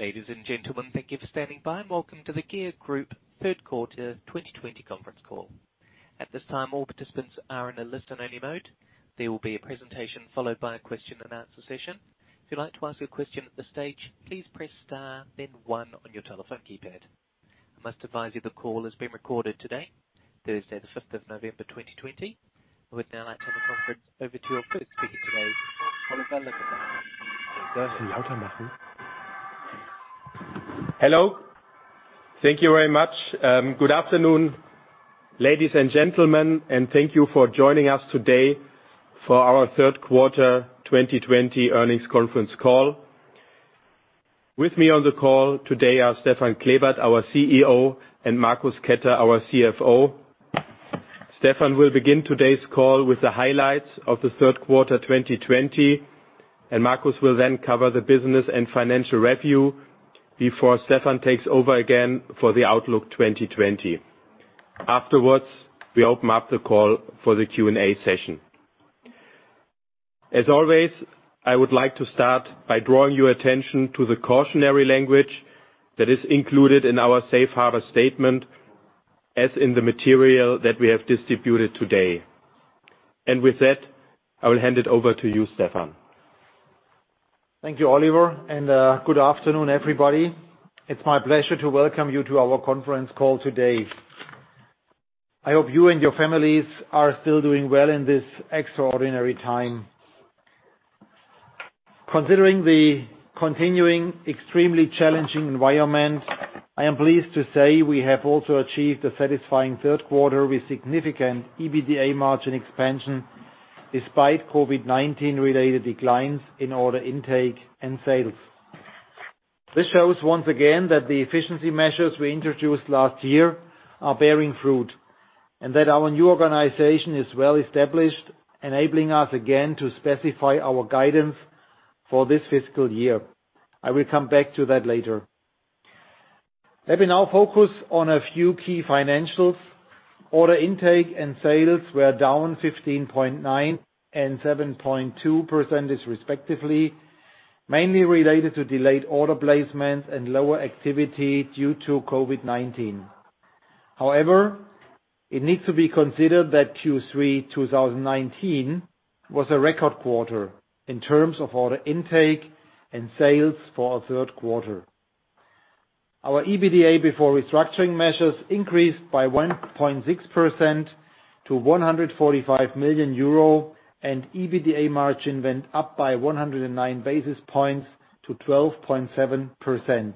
Ladies and gentlemen, thank you for standing by and welcome to the GEA Group third quarter 2020 conference call. At this time, all participants are in a listen only mode. There will be a presentation followed by a question and answer session. If you'd like to ask a question at this stage, please press star then one on your telephone keypad. I must advise you the call is being recorded today, Thursday the 5th of November, 2020. I would now like to hand the conference over to our first speaker today, Oliver Luckenbach. Hello. Thank you very much. Good afternoon, ladies and gentlemen, and thank you for joining us today for our third quarter 2020 earnings conference call. With me on the call today are Stefan Klebert, our CEO, and Marcus Ketter, our CFO. Stefan will begin today's call with the highlights of the third quarter 2020, and Marcus will then cover the business and financial review before Stefan takes over again for the outlook 2020. Afterwards, we open up the call for the Q&A session. As always, I would like to start by drawing your attention to the cautionary language that is included in our safe harbor statement, as in the material that we have distributed today. With that, I will hand it over to you, Stefan. Thank you, Oliver, and good afternoon, everybody. It's my pleasure to welcome you to our conference call today. I hope you and your families are still doing well in this extraordinary time. Considering the continuing extremely challenging environment, I am pleased to say we have also achieved a satisfying third quarter with significant EBITDA margin expansion, despite COVID-19 related declines in order intake and sales. This shows once again that the efficiency measures we introduced last year are bearing fruit, and that our new organization is well-established, enabling us again to specify our guidance for this fiscal year. I will come back to that later. Let me now focus on a few key financials. Order intake and sales were down 15.9% and 7.2% respectively, mainly related to delayed order placements and lower activity due to COVID-19. It needs to be considered that Q3 2019 was a record quarter in terms of order intake and sales for our third quarter. Our EBITDA before restructuring measures increased by 1.6% to 145 million euro, and EBITDA margin went up by 109 basis points to 12.7%.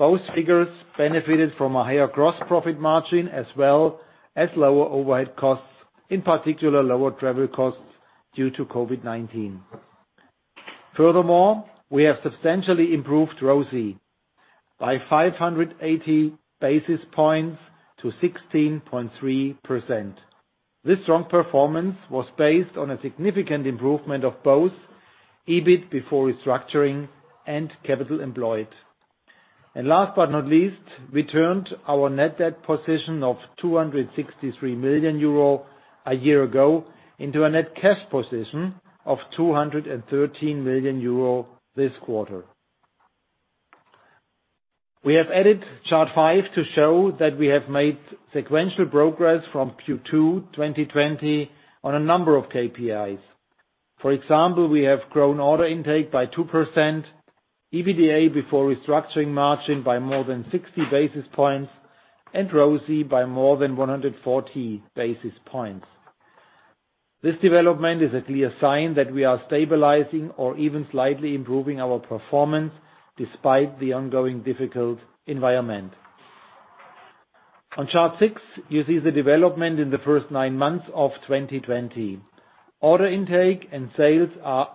Both figures benefited from a higher gross profit margin as well as lower overhead costs, in particular, lower travel costs due to COVID-19. We have substantially improved ROCE by 580 basis points to 16.3%. This strong performance was based on a significant improvement of both EBIT before restructuring and capital employed. Last but not least, we turned our net debt position of 263 million euro a year ago into a net cash position of 213 million euro this quarter. We have added chart five to show that we have made sequential progress from Q2 2020 on a number of KPIs. For example, we have grown order intake by 2%, EBITDA before restructuring margin by more than 60 basis points, and ROCE by more than 140 basis points. This development is a clear sign that we are stabilizing or even slightly improving our performance despite the ongoing difficult environment. On chart six, you see the development in the first nine months of 2020. Order intake and sales are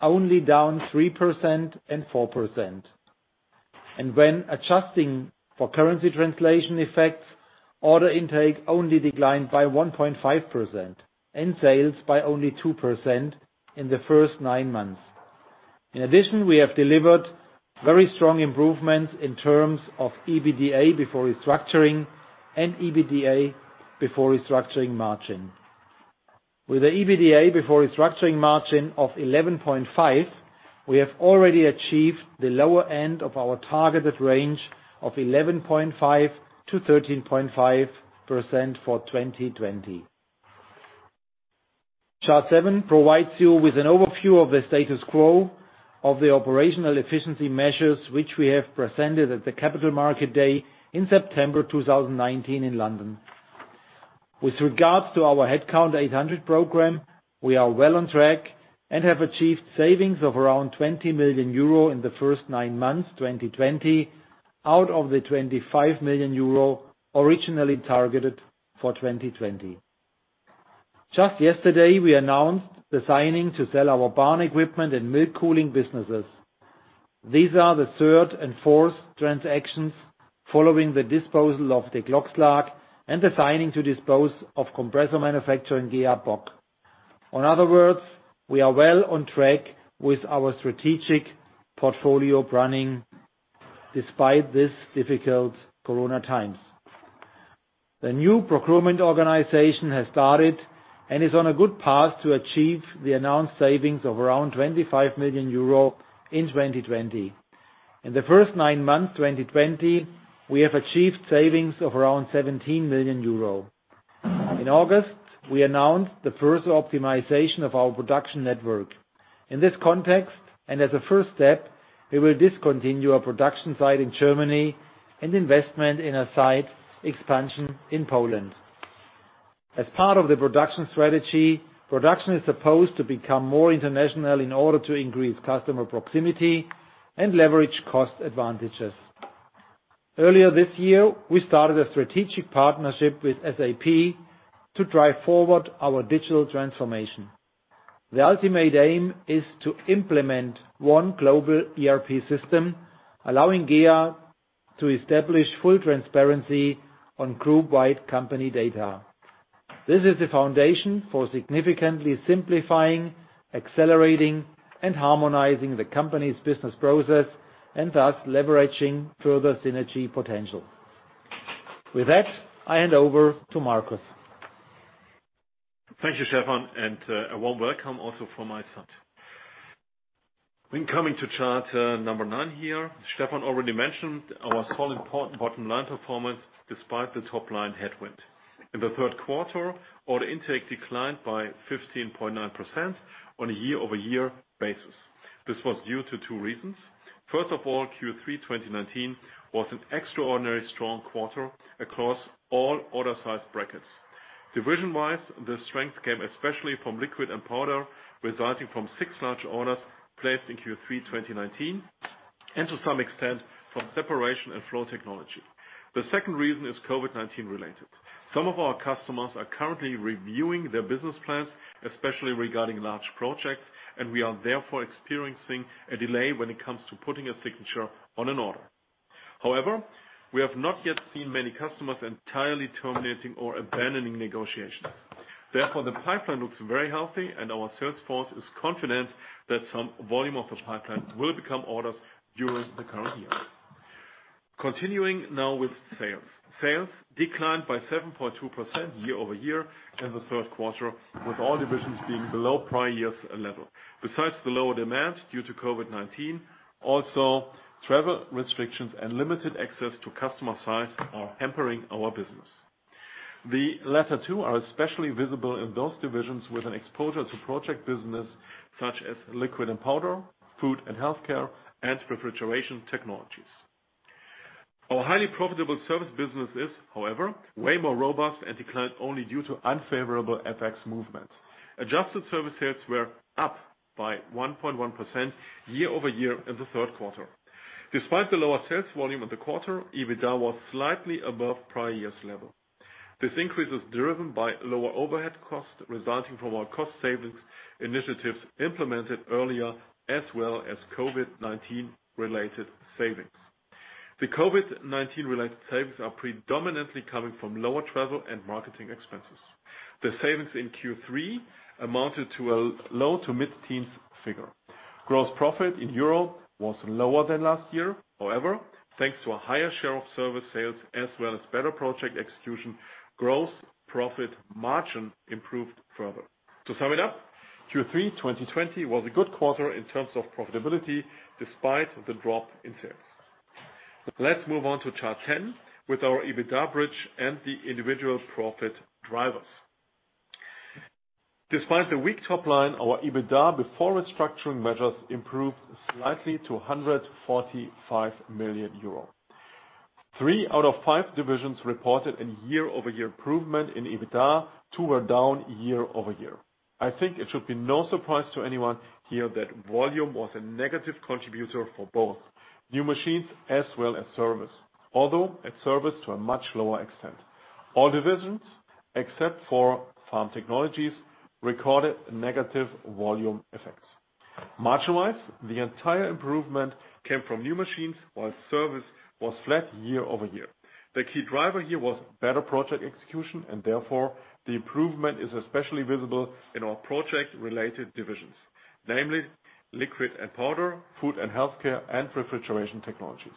only down 3% and 4%. When adjusting for currency translation effects, order intake only declined by 1.5% and sales by only 2% in the first nine months. In addition, we have delivered very strong improvements in terms of EBITDA before restructuring and EBITDA before restructuring margin. With the EBITDA before restructuring margin of 11.5%, we have already achieved the lower end of our targeted range of 11.5%-13.5% for 2020. Chart seven provides you with an overview of the status quo of the operational efficiency measures, which we have presented at the Capital Markets Day in September 2019 in London. With regards to our Headcount 800 program, we are well on track and have achieved savings of around 20 million euro in the first nine months, 2020, out of the 25 million euro originally targeted for 2020. Just yesterday, we announced the signing to sell our barn equipment and milk cooling businesses. These are the third and fourth transactions following the disposal of the Klokslag and the signing to dispose of compressor manufacturer in GEA Bock. In other words, we are well on track with our strategic portfolio planning despite this difficult corona times. The new procurement organization has started and is on a good path to achieve the announced savings of around 25 million euro in 2020. In the first nine months 2020, we have achieved savings of around 17 million euro. In August, we announced the first optimization of our production network. In this context, and as a first step, we will discontinue our production site in Germany and investment in a site expansion in Poland. As part of the production strategy, production is supposed to become more international in order to increase customer proximity and leverage cost advantages. Earlier this year, we started a strategic partnership with SAP to drive forward our digital transformation. The ultimate aim is to implement one global ERP system, allowing GEA to establish full transparency on group-wide company data. This is the foundation for significantly simplifying, accelerating, and harmonizing the company's business process, and thus leveraging further synergy potential. With that, I hand over to Marcus. Thank you, Stefan, and a warm welcome also from my side. When coming to chart number nine here, Stefan already mentioned our solid bottom line performance despite the top line headwind. In the third quarter, order intake declined by 15.9% on a year-over-year basis. This was due to two reasons. First of all, Q3 2019 was an extraordinarily strong quarter across all order size brackets. Division-wise, the strength came especially from Liquid & Powder, resulting from six large orders placed in Q3 2019, and to some extent, from Separation & Flow Technology. The second reason is COVID-19 related. Some of our customers are currently reviewing their business plans, especially regarding large projects. We are therefore experiencing a delay when it comes to putting a signature on an order. However, we have not yet seen many customers entirely terminating or abandoning negotiations. Therefore, the pipeline looks very healthy and our sales force is confident that some volume of the pipeline will become orders during the current year. Continuing now with sales. Sales declined by 7.2% year-over-year in the third quarter, with all divisions being below prior year's level. Besides the lower demand due to COVID-19, also travel restrictions and limited access to customer sites are hampering our business. The latter two are especially visible in those divisions with an exposure to project business such as Liquid & Powder, Food & Healthcare, and Refrigeration Technologies. Our highly profitable service business is, however, way more robust and declined only due to unfavorable FX movements. Adjusted service sales were up by 1.1% year-over-year in the third quarter. Despite the lower sales volume of the quarter, EBITDA was slightly above prior year's level. This increase is driven by lower overhead costs resulting from our cost savings initiatives implemented earlier, as well as COVID-19 related savings. The COVID-19 related savings are predominantly coming from lower travel and marketing expenses. The savings in Q3 amounted to a low to mid-teens figure. Gross profit in Europe was lower than last year. However, thanks to a higher share of service sales as well as better project execution, gross profit margin improved further. To sum it up, Q3 2020 was a good quarter in terms of profitability despite the drop in sales. Let's move on to chart 10 with our EBITDA bridge and the individual profit drivers. Despite the weak top line, our EBITDA before restructuring measures improved slightly to 145 million euros. Three out of five divisions reported a year-over-year improvement in EBITDA. Two were down year-over-year. I think it should be no surprise to anyone here that volume was a negative contributor for both new machines as well as service, although at service to a much lower extent. All divisions, except for Farm Technologies, recorded negative volume effects. Margin-wise, the entire improvement came from new machines, while service was flat year-over-year. The key driver here was better project execution, and therefore, the improvement is especially visible in our project-related divisions, namely Liquid and Powder, Food and Healthcare, and Refrigeration Technologies.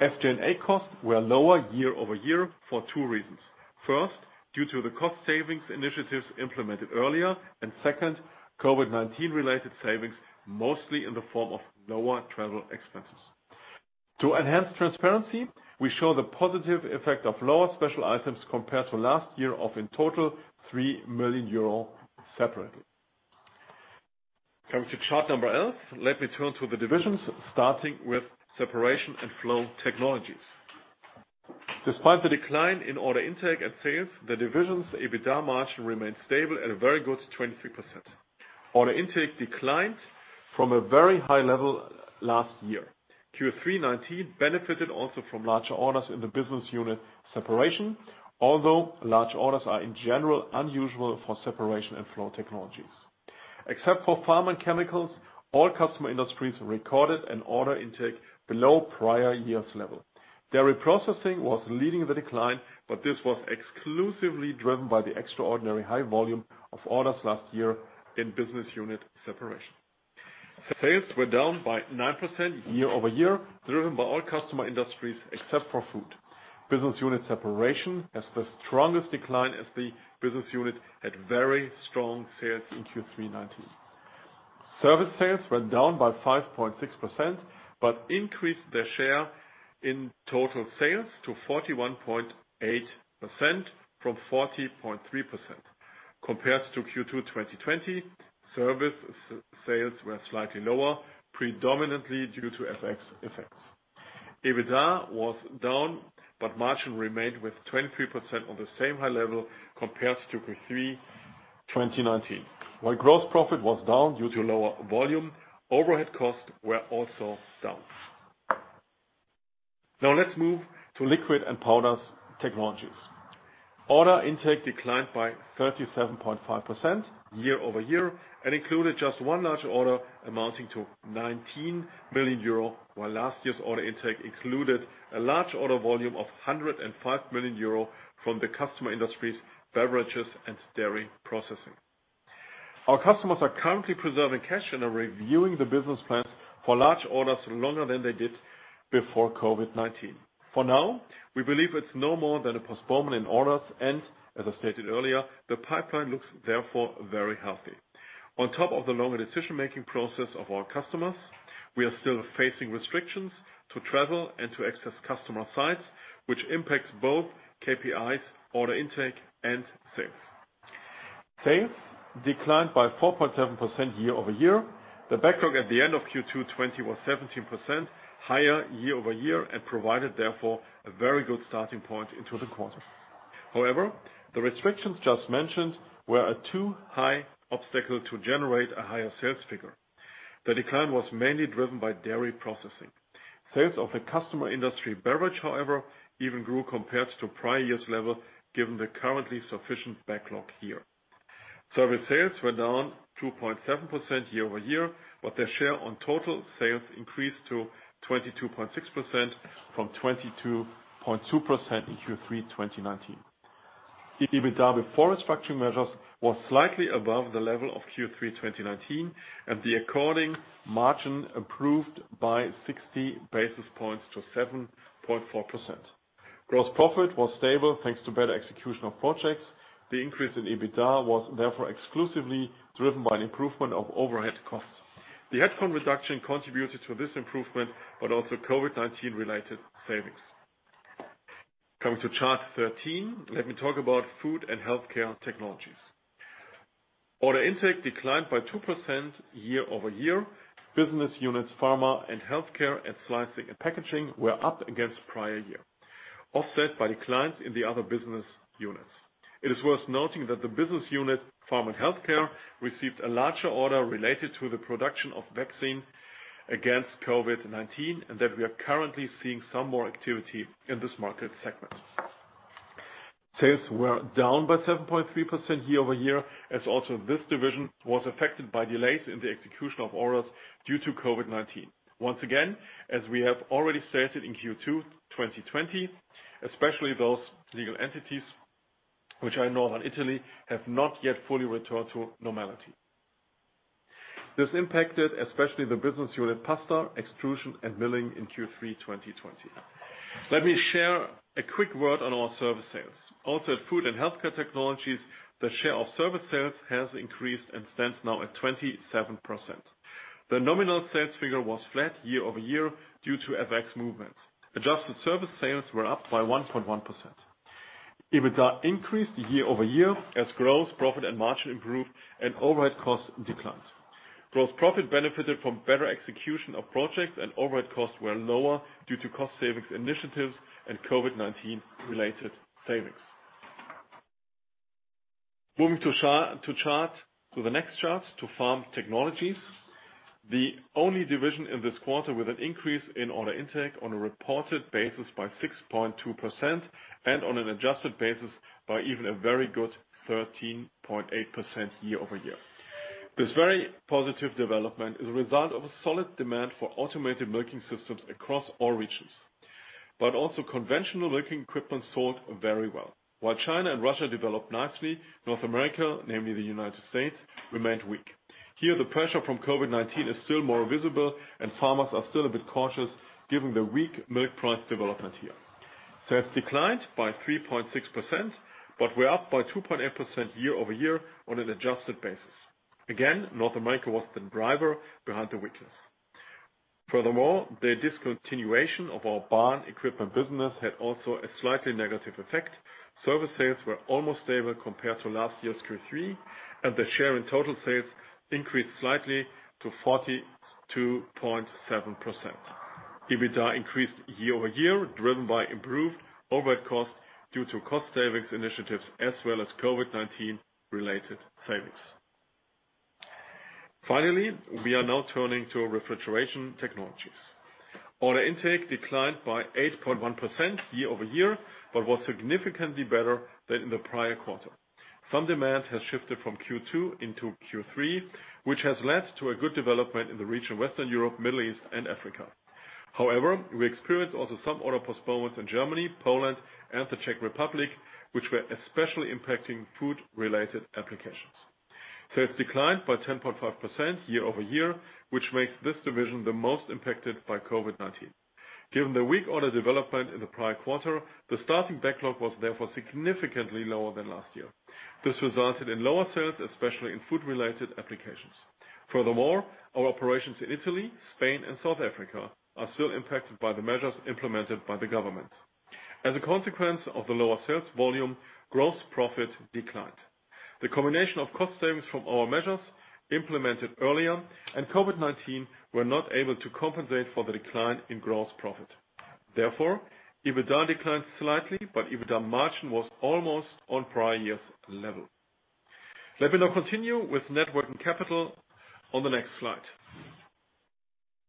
SG&A costs were lower year-over-year for two reasons. First, due to the cost savings initiatives implemented earlier. Second, COVID-19 related savings, mostly in the form of lower travel expenses. To enhance transparency, we show the positive effect of lower special items compared to last year of, in total, 3 million euro separately. Coming to chart number 11, let me turn to the divisions, starting with Separation & Flow Technologies. Despite the decline in order intake and sales, the division's EBITDA margin remained stable at a very good 23%. Order intake declined from a very high level last year. Q3 2019 benefited also from larger orders in the business unit Separation, although large orders are in general unusual for Separation & Flow Technologies. Except for Pharm and Chemicals, all customer industries recorded an order intake below prior year's level. Dairy processing was leading the decline, this was exclusively driven by the extraordinary high volume of orders last year in business unit Separation. Sales were down by 9% year-over-year, driven by all customer industries except for food. Business unit Separation has the strongest decline as the business unit had very strong sales in Q3 2019. Service sales were down by 5.6%, but increased their share in total sales to 41.8% from 40.3%. Compared to Q2 2020, service sales were slightly lower, predominantly due to FX effects. EBITDA was down, but margin remained with 23% on the same high level compared to Q3 2019. While gross profit was down due to lower volume, overhead costs were also down. Now let's move to Liquid & Powder Technologies. Order intake declined by 37.5% year-over-year and included just one large order amounting to 19 million euro, while last year's order intake included a large order volume of 105 million euro from the customer industries beverages and dairy processing. Our customers are currently preserving cash and are reviewing the business plans for large orders longer than they did before COVID-19. For now, we believe it's no more than a postponement in orders, and as I stated earlier, the pipeline looks therefore very healthy. On top of the longer decision-making process of our customers, we are still facing restrictions to travel and to access customer sites, which impacts both KPIs, order intake, and sales. Sales declined by 4.7% year-over-year. The backlog at the end of Q2 2020 was 17% higher year-over-year and provided therefore a very good starting point into the quarter. However, the restrictions just mentioned were a too high obstacle to generate a higher sales figure. The decline was mainly driven by dairy processing. Sales of the customer industry beverage, however, even grew compared to prior year's level, given the currently sufficient backlog here. Service sales were down 2.7% year-over-year, but their share on total sales increased to 22.6% from 22.2% in Q3 2019. The EBITDA before restructuring measures was slightly above the level of Q3 2019, and the according margin improved by 60 basis points to 7.4%. Gross profit was stable, thanks to better execution of projects. The increase in EBITDA was therefore exclusively driven by an improvement of overhead costs. The headcount reduction contributed to this improvement, but also COVID-19 related savings. Coming to chart 13, let me talk about Food & Healthcare Technologies. Order intake declined by 2% year-over-year. Business units Pharma and Healthcare, and Slicing & Packaging were up against prior year, offset by declines in the other business units. It is worth noting that the business unit, Pharma & Healthcare Technologies, received a larger order related to the production of vaccine against COVID-19, and that we are currently seeing some more activity in this market segment. Sales were down by 7.3% year-over-year, as also this division was affected by delays in the execution of orders due to COVID-19. Once again, as we have already stated in Q2 2020, especially those legal entities which are in Northern Italy have not yet fully returned to normality. This impacted especially the business unit Pasta, Extrusion, and Milling in Q3 2020. Let me share a quick word on our service sales. Also at Food & Healthcare Technologies, the share of service sales has increased and stands now at 27%. The nominal sales figure was flat year-over-year due to FX movements. Adjusted service sales were up by 1.1%. EBITDA increased year-over-year as gross profit and margin improved and overhead costs declined. Gross profit benefited from better execution of projects and overhead costs were lower due to cost savings initiatives and COVID-19 related savings. Moving to the next chart, to Farm Technologies, the only division in this quarter with an increase in order intake on a reported basis by 6.2% and on an adjusted basis by even a very good 13.8% year-over-year. This very positive development is a result of a solid demand for automated milking systems across all regions, but also conventional milking equipment sold very well. While China and Russia developed nicely, North America, namely the United States, remained weak. Here, the pressure from COVID-19 is still more visible, and farmers are still a bit cautious given the weak milk price development here. Sales declined by 3.6%, but were up by 2.8% year-over-year on an adjusted basis. Again, North America was the driver behind the weakness. Furthermore, the discontinuation of our barn equipment business had also a slightly negative effect. Service sales were almost stable compared to last year's Q3, and the share in total sales increased slightly to 42.7%. EBITDA increased year-over-year, driven by improved overhead costs due to cost savings initiatives as well as COVID-19 related savings. Finally, we are now turning to Refrigeration Technologies. Order intake declined by 8.1% year-over-year, but was significantly better than in the prior quarter. Some demand has shifted from Q2 into Q3, which has led to a good development in the region Western Europe, Middle East and Africa. However, we experienced also some order postponements in Germany, Poland, and the Czech Republic, which were especially impacting food-related applications. Sales declined by 10.5% year-over-year, which makes this division the most impacted by COVID-19. Given the weak order development in the prior quarter, the starting backlog was therefore significantly lower than last year. This resulted in lower sales, especially in food-related applications. Our operations in Italy, Spain, and South Africa are still impacted by the measures implemented by the government. As a consequence of the lower sales volume, gross profit declined. The combination of cost savings from our measures implemented earlier and COVID-19 were not able to compensate for the decline in gross profit. EBITDA declined slightly, but EBITDA margin was almost on prior year's level. Let me now continue with net working capital on the next slide.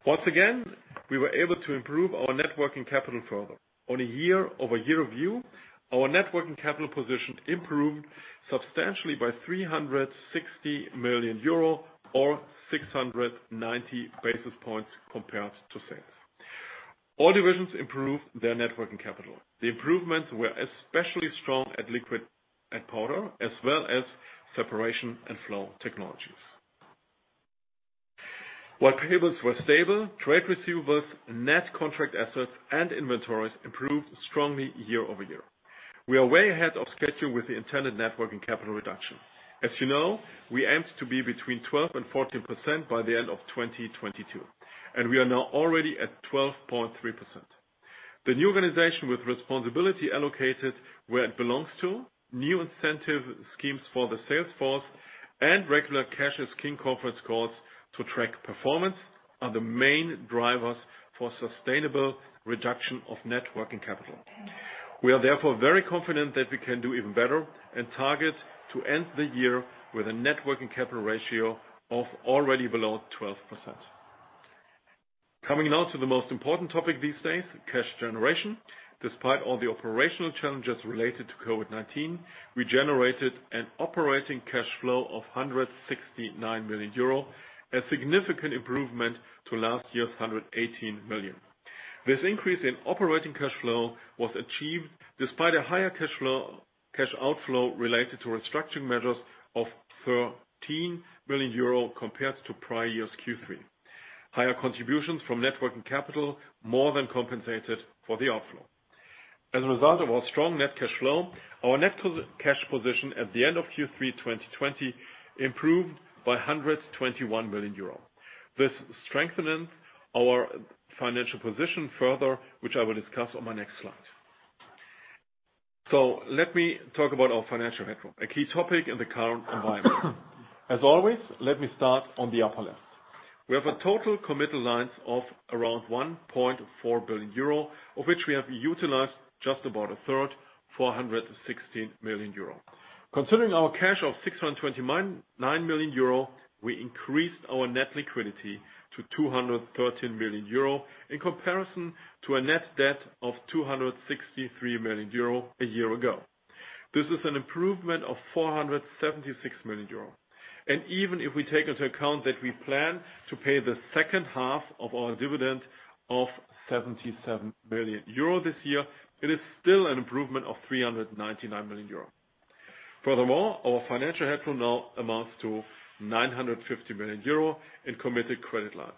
Once again, we were able to improve our net working capital further. On a year-over-year view, our net working capital position improved substantially by 360 million euro or 690 basis points compared to sales. All divisions improved their net working capital. The improvements were especially strong at Liquid & Powder, as well as Separation & Flow Technologies. While payables were stable, trade receivables, net contract assets, and inventories improved strongly year-over-year. We are way ahead of schedule with the intended net working capital reduction. As you know, we aimed to be between 12% and 14% by the end of 2022, and we are now already at 12.3%. The new organization with responsibility allocated where it belongs to, new incentive schemes for the sales force, and regular Cash is King conference calls to track performance are the main drivers for sustainable reduction of net working capital. We are therefore very confident that we can do even better and target to end the year with a net working capital ratio of already below 12%. Coming now to the most important topic these days, cash generation. Despite all the operational challenges related to COVID-19, we generated an operating cash flow of 169 million euro, a significant improvement to last year's 118 million. This increase in operating cash flow was achieved despite a higher cash outflow related to restructuring measures of 13 million euro compared to prior year's Q3. Higher contributions from net working capital more than compensated for the outflow. As a result of our strong net cash flow, our net cash position at the end of Q3 2020 improved by 121 million euro. This strengthened our financial position further, which I will discuss on my next slide. Let me talk about our financial headroom, a key topic in the current environment. As always, let me start on the upper left. We have a total committed lines of around 1.4 billion euro, of which we have utilized just about a third, 416 million euro. Considering our cash of 629 million euro, we increased our net liquidity to 213 million euro in comparison to a net debt of 263 million euro a year ago. This is an improvement of 476 million euro. Even if we take into account that we plan to pay the second half of our dividend of 77 million euro this year, it is still an improvement of 399 million euro. Furthermore, our financial headroom now amounts to 950 million euro in committed credit lines.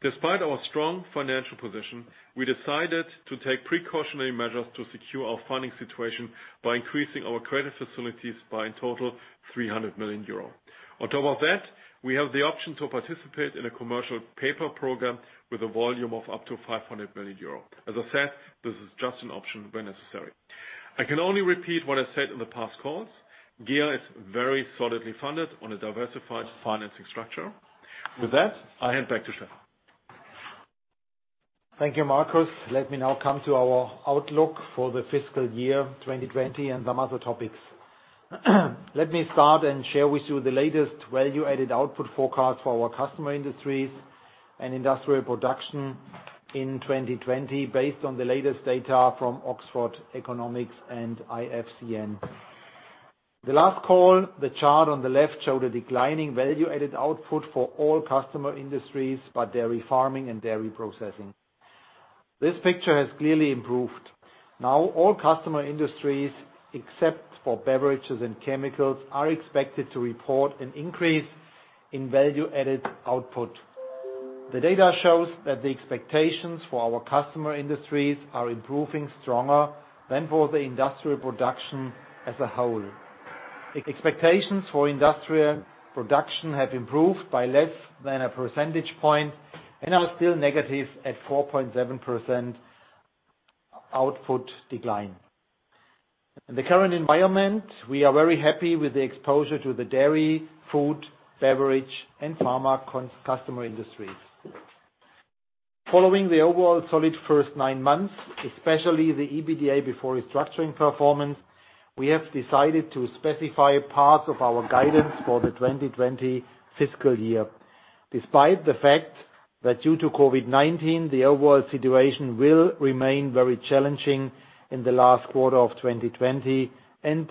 Despite our strong financial position, we decided to take precautionary measures to secure our funding situation by increasing our credit facilities by, in total, 300 million euro. On top of that, we have the option to participate in a commercial paper program with a volume of up to 500 million euro. As I said, this is just an option when necessary. I can only repeat what I said in the past calls. GEA is very solidly funded on a diversified financing structure. With that, I hand back to Stefan. Thank you, Marcus. Let me now come to our outlook for the fiscal year 2020 and some other topics. Let me start and share with you the latest value-added output forecast for our customer industries and industrial production in 2020 based on the latest data from Oxford Economics and IFCN. The last call, the chart on the left showed a declining value-added output for all customer industries, but dairy farming and dairy processing. This picture has clearly improved. Now all customer industries, except for beverages and chemicals, are expected to report an increase in value-added output. The data shows that the expectations for our customer industries are improving stronger than for the industrial production as a whole. Expectations for industrial production have improved by less than a percentage point and are still negative at 4.7% output decline. In the current environment, we are very happy with the exposure to the dairy, food, beverage, and pharma customer industries. Following the overall solid first nine months, especially the EBITDA before restructuring performance, we have decided to specify parts of our guidance for the 2020 fiscal year, despite the fact that due to COVID-19, the overall situation will remain very challenging in the last quarter of 2020 and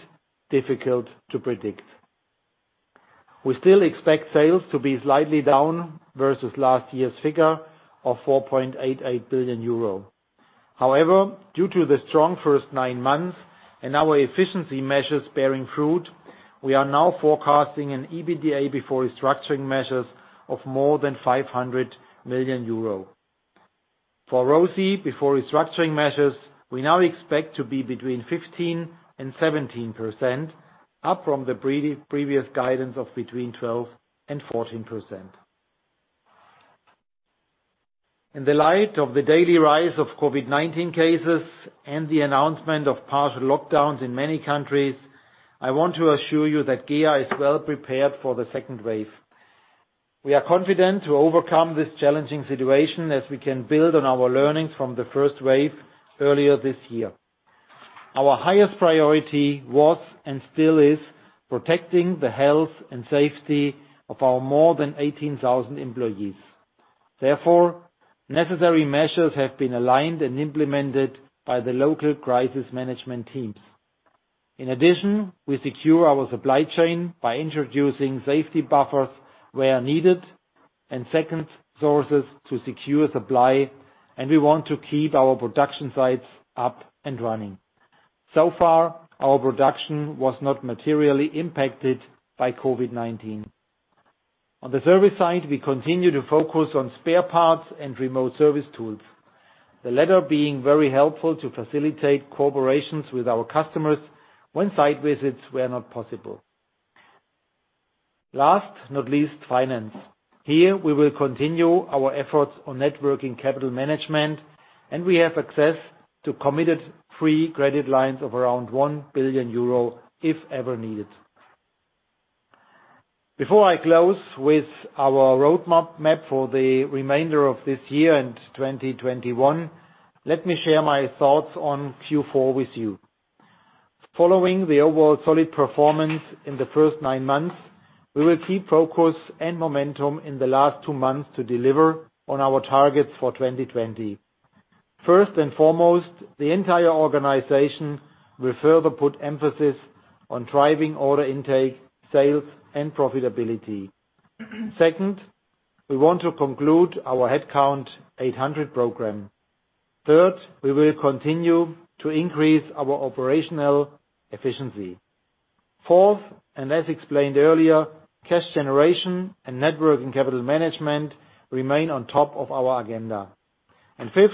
difficult to predict. We still expect sales to be slightly down versus last year's figure of 4.88 billion euro. Due to the strong first nine months and our efficiency measures bearing fruit, we are now forecasting an EBITDA before restructuring measures of more than 500 million euro. For ROCE before restructuring measures, we now expect to be between 15%-17%, up from the previous guidance of between 12%-14%. In the light of the daily rise of COVID-19 cases and the announcement of partial lockdowns in many countries, I want to assure you that GEA is well prepared for the second wave. We are confident to overcome this challenging situation, as we can build on our learnings from the first wave earlier this year. Our highest priority was, and still is, protecting the health and safety of our more than 18,000 employees. Therefore, necessary measures have been aligned and implemented by the local crisis management teams. In addition, we secure our supply chain by introducing safety buffers where needed, and second sources to secure supply, and we want to keep our production sites up and running. So far, our production was not materially impacted by COVID-19. On the service side, we continue to focus on spare parts and remote service tools. The latter being very helpful to facilitate cooperations with our customers when site visits were not possible. Last but not least, finance. Here, we will continue our efforts on net working capital management, and we have access to committed free credit lines of around 1 billion euro if ever needed. Before I close with our roadmap for the remainder of this year and 2021, let me share my thoughts on Q4 with you. Following the overall solid performance in the first nine months, we will keep focus and momentum in the last two months to deliver on our targets for 2020. First and foremost, the entire organization will further put emphasis on driving order intake, sales, and profitability. Second, we want to conclude our Headcount 800 program. Third, we will continue to increase our operational efficiency. Fourth, as explained earlier, cash generation and net working capital management remain on top of our agenda. Fifth,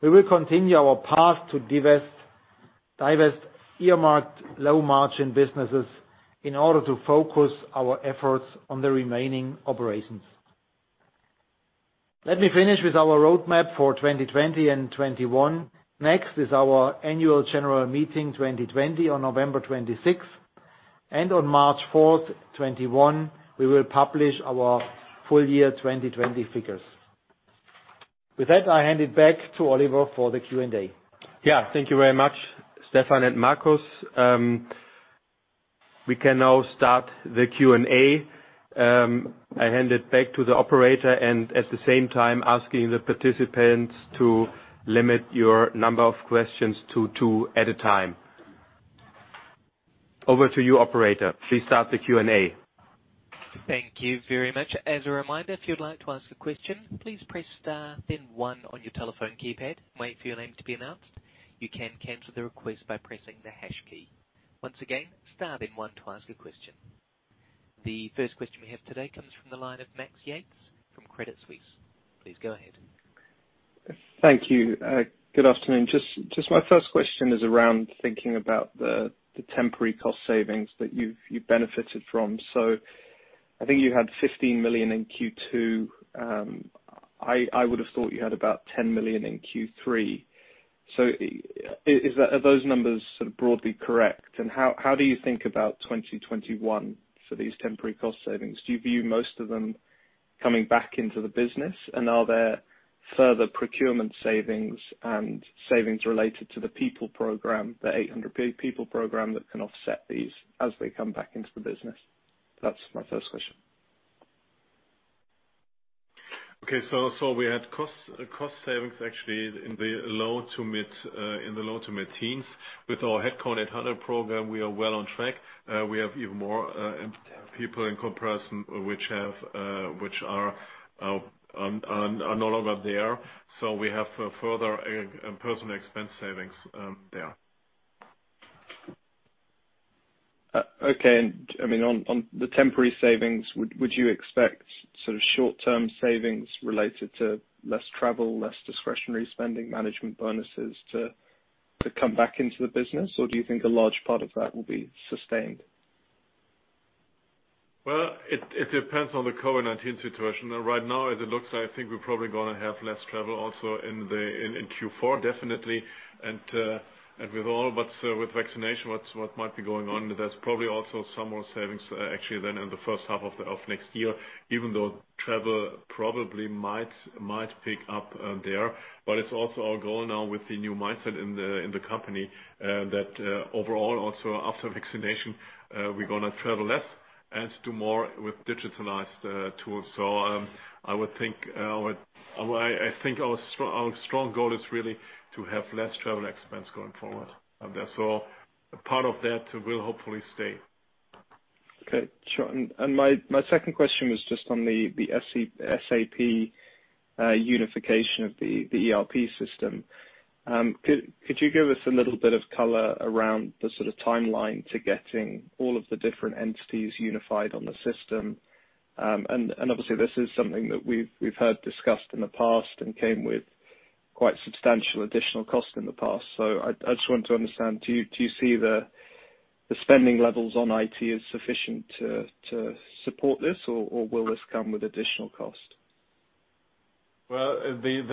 we will continue our path to divest earmarked low-margin businesses in order to focus our efforts on the remaining operations. Let me finish with our roadmap for 2020 and 2021. Next is our annual general meeting 2020 on November 26th. On March 4th, 2021, we will publish our full year 2020 figures. With that, I hand it back to Oliver for the Q&A. Thank you very much, Stefan and Marcus. We can now start the Q&A. I hand it back to the operator, and at the same time asking the participants to limit your number of questions to two at a time. Over to you, operator. Please start the Q&A. Thank you very much. As a reminder, if you would like to ask a question, please press star then one on your telephone keypad. Wait for your name to be announced. You can cancel the request by pressing the hash key. Once again, star then one to ask a question. The first question we have today comes from the line of Max Yates from Credit Suisse. Please go ahead. Thank you. Good afternoon. My first question is around thinking about the temporary cost savings that you've benefited from. I think you had 15 million in Q2. I would've thought you had about 10 million in Q3. Are those numbers sort of broadly correct? How do you think about 2021 for these temporary cost savings? Do you view most of them coming back into the business? Are there further procurement savings and savings related to the people program, the 800 people program that can offset these as they come back into the business? That's my first question. We had cost savings actually in the low to mid-teens. With our Headcount 800 program, we are well on track. We have even more people in comparison which are no longer there. We have further personal expense savings there. On the temporary savings, would you expect sort of short-term savings related to less travel, less discretionary spending, management bonuses to come back into the business? Or do you think a large part of that will be sustained? Well, it depends on the COVID-19 situation. Right now as it looks, I think we're probably going to have less travel also in Q4, definitely. With vaccination, what might be going on, there's probably also some more savings actually then in the first half of next year, even though travel probably might pick up there. It's also our goal now with the new mindset in the company, that overall also after vaccination, we're going to travel less and do more with digitalized tools. I think our strong goal is really to have less travel expense going forward out there. A part of that will hopefully stay My second question was just on the SAP unification of the ERP system. Could you give us a little bit of color around the sort of timeline to getting all of the different entities unified on the system? Obviously, this is something that we've heard discussed in the past and came with quite substantial additional cost in the past. I just want to understand, do you see the spending levels on IT as sufficient to support this or will this come with additional cost? First, to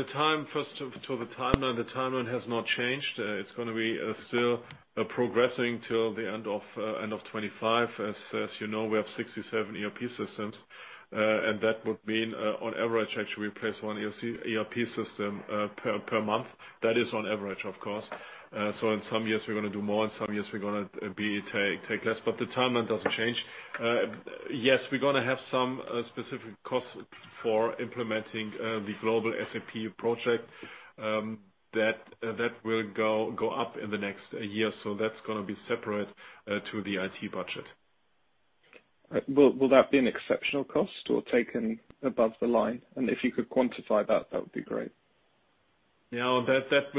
the timeline. The timeline has not changed. It's going to be still progressing till the end of 2025. As you know, we have 67 ERP systems, and that would mean on average, I should replace one ERP system per month. That is on average, of course. In some years we're going to do more, in some years we're going to take less, but the timeline doesn't change. We're going to have some specific costs for implementing the global SAP project. That will go up in the next year. That's going to be separate to the IT budget. Will that be an exceptional cost or taken above the line? If you could quantify that would be great. No, that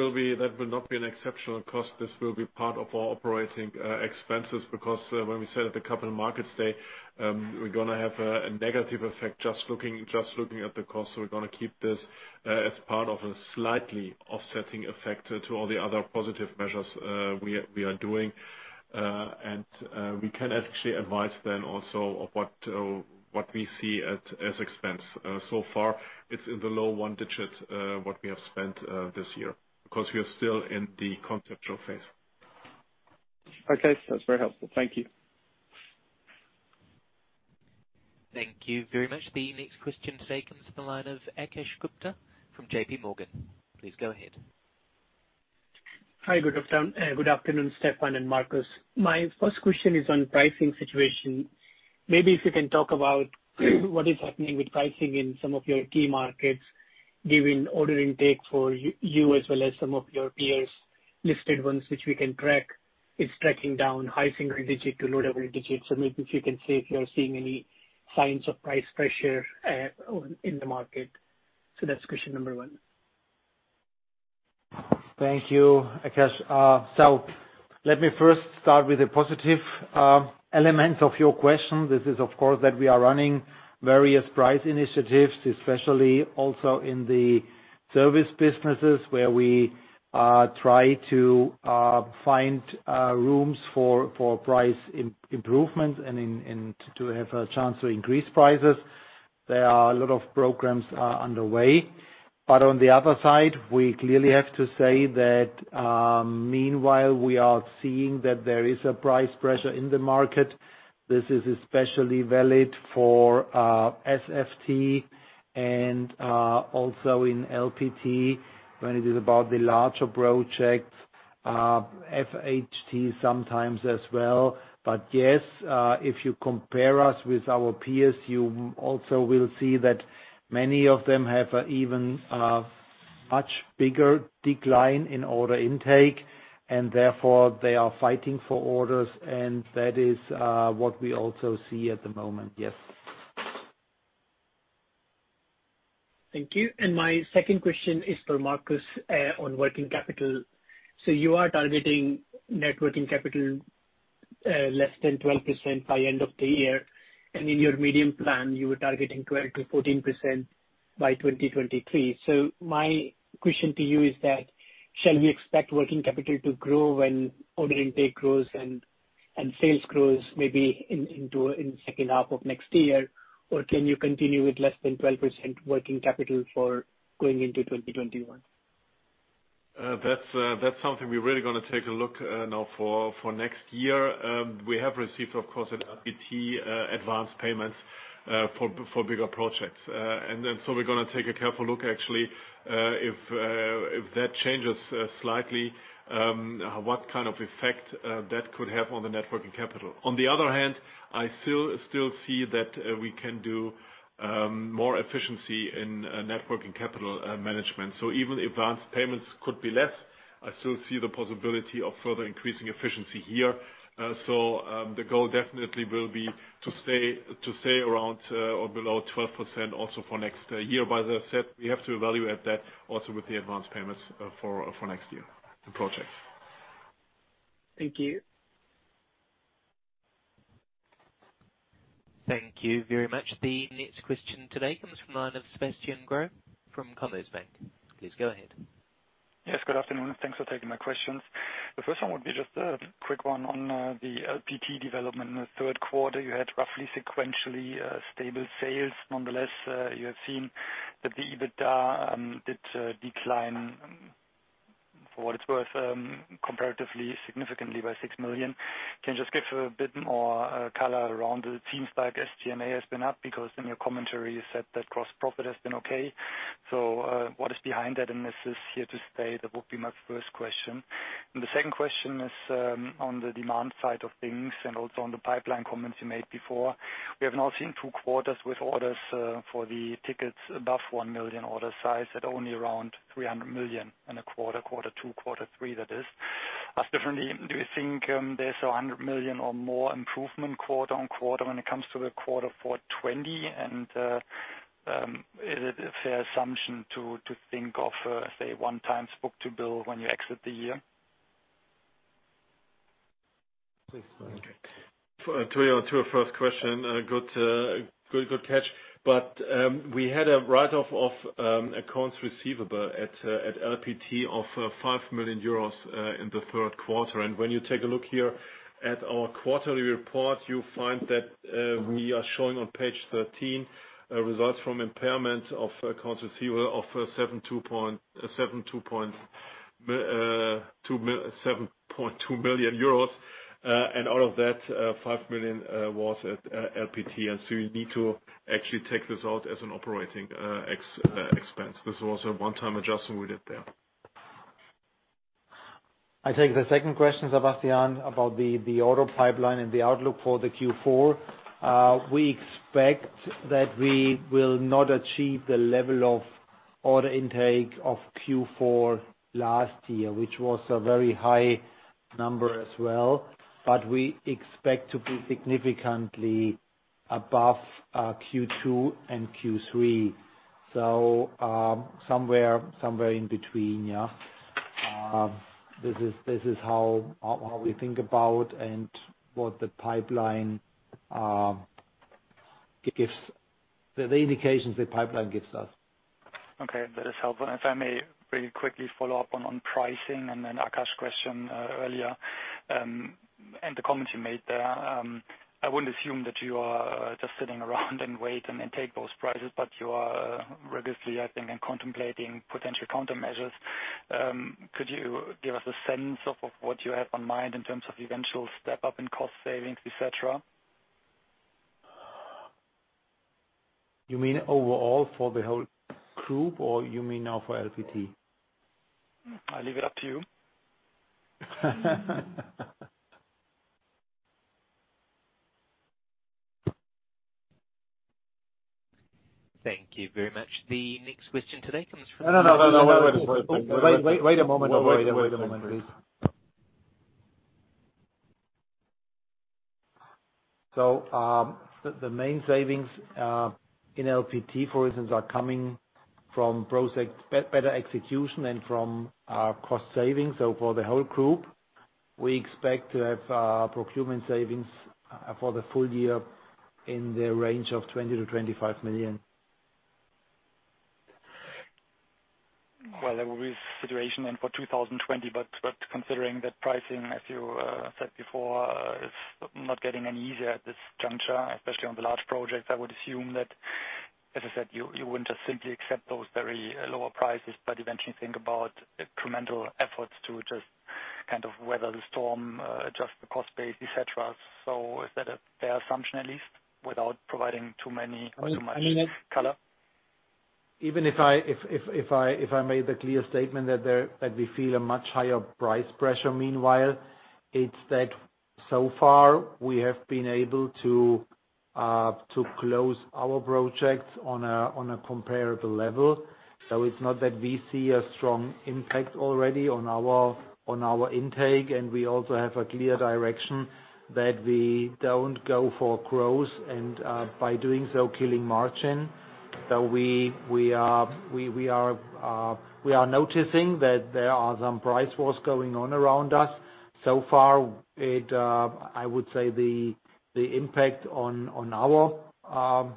will not be an exceptional cost. This will be part of our operating expenses because when we said at the Capital Markets Day, we're going to have a negative effect just looking at the cost. We're going to keep this as part of a slightly offsetting effect to all the other positive measures we are doing. We can actually advise then also of what we see as expense. So far it's in the low one digit, what we have spent this year, because we are still in the conceptual phase. That's very helpful. Thank you. Thank you very much. The next question today comes from the line of Akash Gupta from JPMorgan. Please go ahead. Good afternoon, Stefan and Marcus. My first question is on pricing situation. Maybe if you can talk about what is happening with pricing in some of your key markets, given order intake for you as well as some of your peers, listed ones which we can track, is tracking down high single-digit to low double-digits. Maybe if you can say if you're seeing any signs of price pressure in the market? That's question number one. Thank you, Akash. Let me first start with a positive element of your question. This is, of course, that we are running various price initiatives, especially also in the service businesses, where we try to find rooms for price improvement and to have a chance to increase prices. There are a lot of programs underway. On the other side, we clearly have to say that meanwhile we are seeing that there is a price pressure in the market. This is especially valid for SFT and also in LPT when it is about the larger projects, FHT sometimes as well. If you compare us with our peers, you also will see that many of them have an even much bigger decline in order intake, and therefore they are fighting for orders. That is what we also see at the moment. Thank you. My second question is for Marcus on working capital. You are targeting net working capital less than 12% by end of the year, and in your medium plan you were targeting 12%-14% by 2023. My question to you is that, shall we expect working capital to grow when order intake grows and sales grows maybe in the second half of next year? Or can you continue with less than 12% working capital for going into 2021? That's something we're really going to take a look now for next year. We have received, of course, an LPT advance payments for bigger projects. We're going to take a careful look actually, if that changes slightly, what kind of effect that could have on the net working capital. On the other hand, I still see that we can do more efficiency in net working capital management. Even advanced payments could be less. I still see the possibility of further increasing efficiency here. The goal definitely will be to stay around or below 12% also for next year. As I said, we have to evaluate that also with the advanced payments for next year projects. Thank you. Thank you very much. The next question today comes from the line of Sebastian Growe from Commerzbank. Please go ahead. Good afternoon. Thanks for taking my questions. The first one would be just a quick one on the LPT development in the third quarter. You had roughly sequentially stable sales. Nonetheless, you have seen that the EBITDA did decline, for what it's worth, comparatively, significantly by 6 million. Can you just give a bit more color around it? It seems like SG&A has been up because in your commentary you said that gross profit has been okay. What is behind that, and this is here to stay? That would be my first question. The second question is on the demand side of things and also on the pipeline comments you made before. We have now seen two quarters with orders for the tickets above 1 million order size at only around 300 million in a quarter two, quarter three, that is. Differently do you think there's 100 million or more improvement quarter-on-quarter when it comes to Q4 2020? Is it a fair assumption to think of, say, one time book to bill when you exit the year? To your first question, good catch. We had a write-off of accounts receivable at LPT of 5 million euros in the third quarter. When you take a look here at our quarterly report, you find that we are showing on page 13 results from impairment of accounts receivable of 7.2 million euros. Out of that, 5 million was at LPT. You need to actually take this out as an operating expense. This was a one-time adjustment we did there. I take the second question, Sebastian, about the order pipeline and the outlook for the Q4. We expect that we will not achieve the level of order intake of Q4 last year, which was a very high number as well, but we expect to be significantly above Q2 and Q3. Somewhere in between. This is how we think about and what the indications the pipeline gives us. That is helpful. If I may really quickly follow up on pricing and then Akash's question earlier, and the comment you made there. I wouldn't assume that you are just sitting around and wait and then take those prices, but you are rigorously, I think, and contemplating potential countermeasures. Could you give us a sense of what you have in mind in terms of eventual step up in cost savings, et cetera? You mean overall for the whole group, or you mean now for LPT? I leave it up to you. Thank you very much. The next question today comes from- No, wait. Wait a moment. Wait a moment, please. The main savings in LPT, for instance, are coming from better execution and from our cost savings. For the whole group, we expect to have procurement savings for the full year in the range of 20 million-25 million. There will be a situation then for 2020, but considering that pricing, as you said before, is not getting any easier at this juncture, especially on the large projects. I would assume that, as I said, you wouldn't just simply accept those very lower prices, but eventually think about incremental efforts to just kind of weather the storm, adjust the cost base, et cetera. Is that a fair assumption, at least, without providing too many or too much color? Even if I made the clear statement that we feel a much higher price pressure meanwhile, it's that so far we have been able to close our projects on a comparable level. It's not that we see a strong impact already on our intake, and we also have a clear direction that we don't go for growth and, by doing so, killing margin. We are noticing that there are some price wars going on around us. So far, I would say the impact on our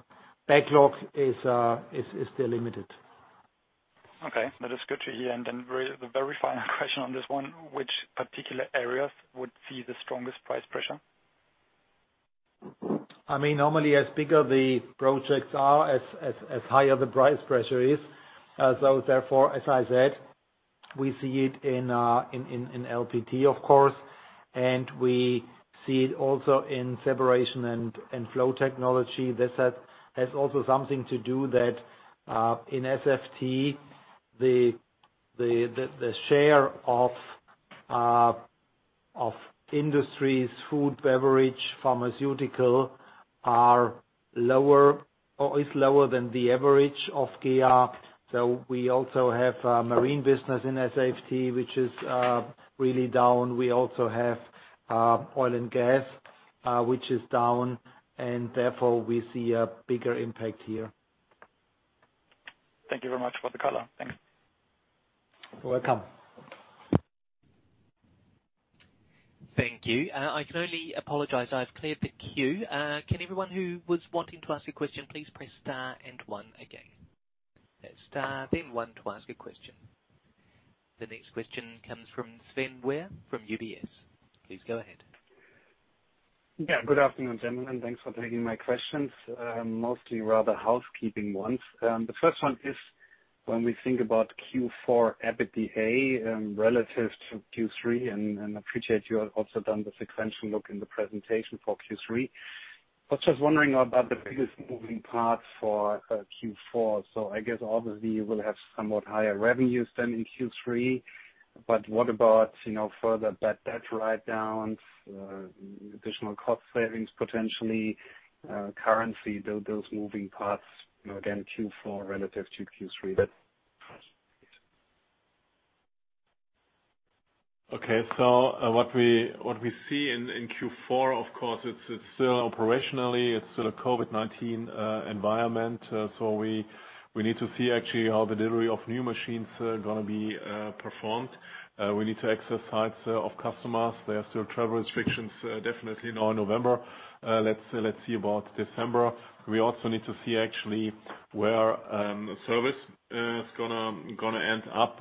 backlog is still limited. That is good to hear. The very final question on this one, which particular areas would see the strongest price pressure? Normally, as bigger the projects are, as higher the price pressure is. Therefore, as I said, we see it in LPT, of course, and we see it also in Separation & Flow Technologies. That has also something to do that, in SFT, the share of industries, food, beverage, pharmaceutical is lower than the average of GEA. We also have marine business in SFT, which is really down. We also have oil and gas, which is down, and therefore we see a bigger impact here. Thank you very much for the color. Thanks. You're welcome. Thank you. I can only apologize, I've cleared the queue. Can everyone who was wanting to ask a question, please press star and one again? That's star, then one to ask a question. The next question comes from Sven Weier from UBS. Please go ahead. Good afternoon, gentlemen. Thanks for taking my questions, mostly rather housekeeping ones. The first one is when we think about Q4 EBITDA relative to Q3. I appreciate you have also done the sequential look in the presentation for Q3. I was just wondering about the biggest moving parts for Q4. I guess obviously you will have somewhat higher revenues than in Q3. What about further bad debt write-downs, additional cost savings potentially, currency, those moving parts, again, Q4 relative to Q3? What we see in Q4, of course, it's still operationally, it's still a COVID-19 environment. We need to see actually how the delivery of new machines are going to be performed. We need to access sites of customers. There are still travel restrictions, definitely in November. Let's see about December. We also need to see actually where service is going to end up.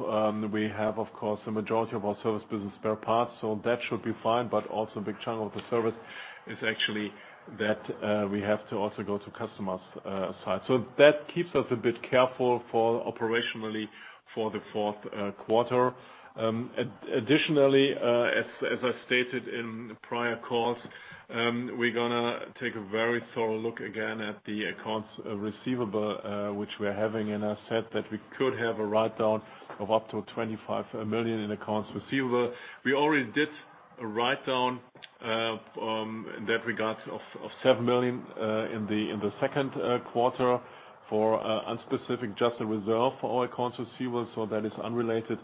We have, of course, the majority of our service business spare parts, so that should be fine. Also a big chunk of the service is actually that we have to also go to customers' site. That keeps us a bit careful operationally for the fourth quarter. Additionally, as I stated in prior calls, we're going to take a very thorough look again at the accounts receivable, which we are having, and I said that we could have a write-down of up to 25 million in accounts receivable. We already did a write-down, in that regard, of 7 million in the second quarter for unspecific, just a reserve for our accounts receivable. That is unrelated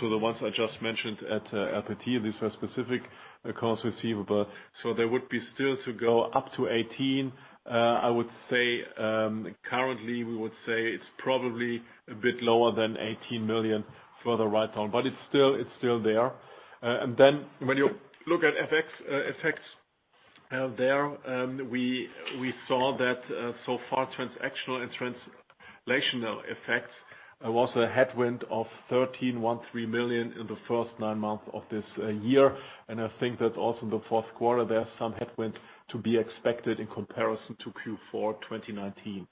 to the ones I just mentioned at the LPT. These are specific accounts receivable. There would be still to go up to 18. I would say, currently, we would say it's probably a bit lower than 18 million for the write-down, but it's still there. When you look at FX effects there, we saw that so far, transactional and translational effects was a headwind of 13 million in the first nine months of this year. I think that also in the fourth quarter, there's some headwind to be expected in comparison to Q4 2019.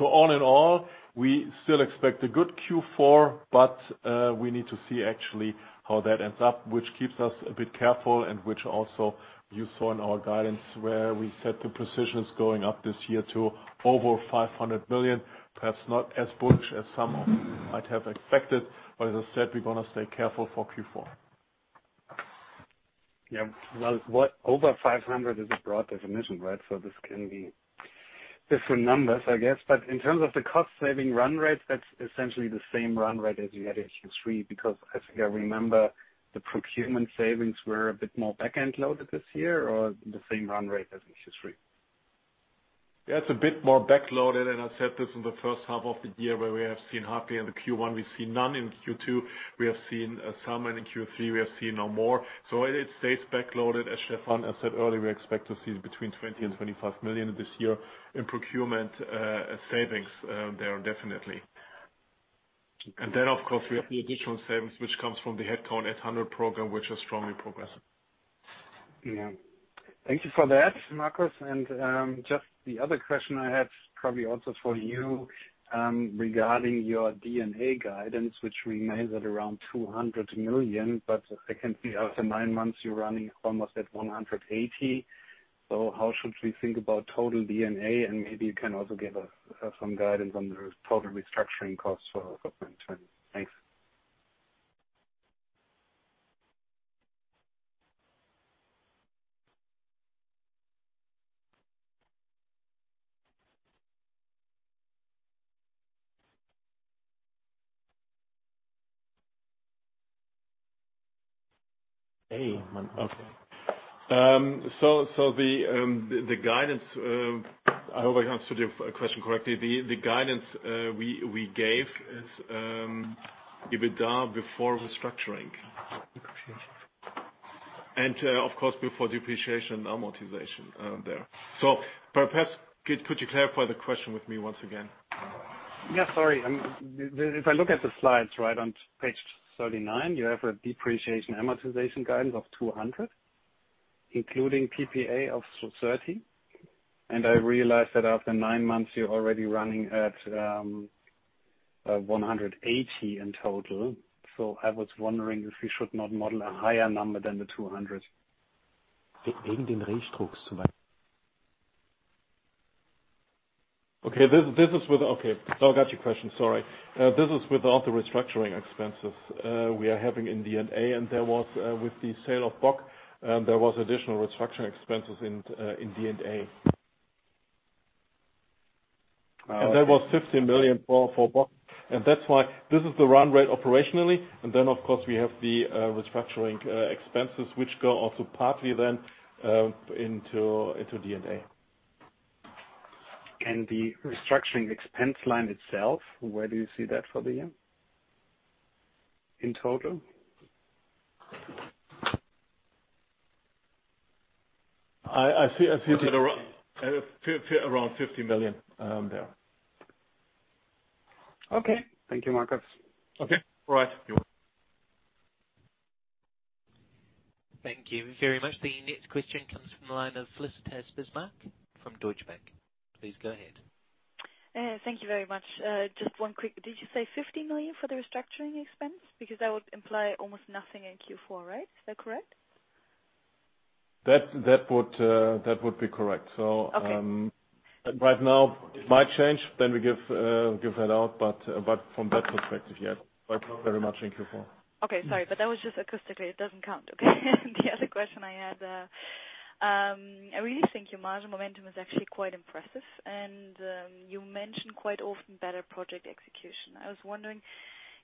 All in all, we still expect a good Q4, but we need to see actually how that ends up, which keeps us a bit careful and which also you saw in our guidance where we set the provisions going up this year to over 500 million. Perhaps not as bullish as some might have expected, but as I said, we're going to stay careful for Q4. Well, over 500 is a broad definition, right? This can be different numbers, I guess. In terms of the cost-saving run rates, that's essentially the same run rate as you had in Q3, because I think I remember the procurement savings were a bit more back-end loaded this year, or the same run rate as in Q3. It's a bit more back-loaded, and I said this in the first half of the year where we have seen halfway in the Q1, we see none in Q2, we have seen some, and in Q3, we have seen now more. It stays back-loaded. As Stefan has said earlier, we expect to see between 20 million and 25 million this year in procurement savings there, definitely. Of course, we have the additional savings, which comes from the Headcount 800 program, which is strongly progressing. Thank you for that, Marcus. Just the other question I have, probably also for you, regarding your D&A guidance, which remains at around 200 million, but I can see after nine months, you're running almost at 180. How should we think about total D&A? Maybe you can also give us some guidance on the total restructuring costs for. Thanks. The guidance, I hope I understood your question correctly. The guidance we gave is EBITDA before restructuring. Of course, before depreciation, amortization there. Perhaps, could you clarify the question with me once again? Sorry. If I look at the slides right on page 39, you have a depreciation amortization guidance of 200, including PPA of 30. I realize that after nine months, you're already running at 180 in total. I was wondering if we should not model a higher number than the 200. Now I got your question. Sorry. This is without the restructuring expenses. We are having in D&A. With the sale of Bock, there was additional restructuring expenses in D&A. That was 50 million for Bock. That's why this is the run rate operationally. Then, of course, we have the restructuring expenses which go also partly then into D&A. The restructuring expense line itself, where do you see that for the year in total? I see around EUR 50 million there. Thank you, Marcus. All right. Thank you very much. The next question comes from the line of Felicitas Bismarck from Deutsche Bank. Please go ahead. Thank you very much. Just one quick. Did you say 50 million for the restructuring expense? That would imply almost nothing in Q4, right? Is that correct? That would be correct. Okay. Right now, it might change, then we give that out, but from that perspective, yes. Thank you very much. Thank you. Sorry. That was just acoustically. It doesn't count, okay? The other question I had, I really think your margin momentum is actually quite impressive. You mention quite often better project execution. I was wondering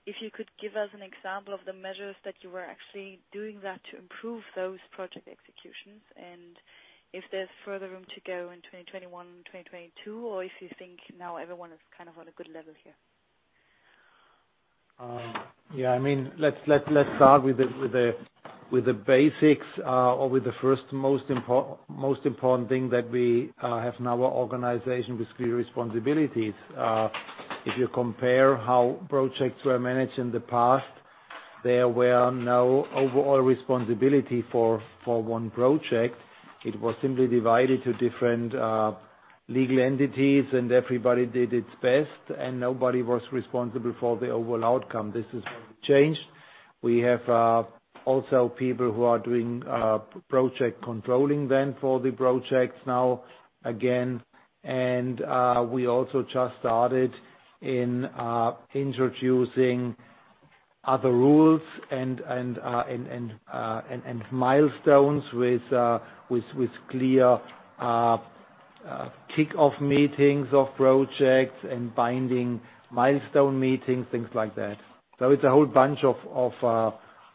if you could give us an example of the measures that you were actually doing that to improve those project executions, and if there's further room to go in 2021, 2022, or if you think now everyone is on a good level here? Let's start with the basics, or with the first most important thing that we have in our organization with clear responsibilities. If you compare how projects were managed in the past, there were no overall responsibility for one project. It was simply divided to different legal entities, and everybody did its best, and nobody was responsible for the overall outcome. This has changed. We have also people who are doing project controlling then for the projects now again, and we also just started in introducing other rules and milestones with clear kickoff meetings of projects and binding milestone meetings, things like that. It's a whole bunch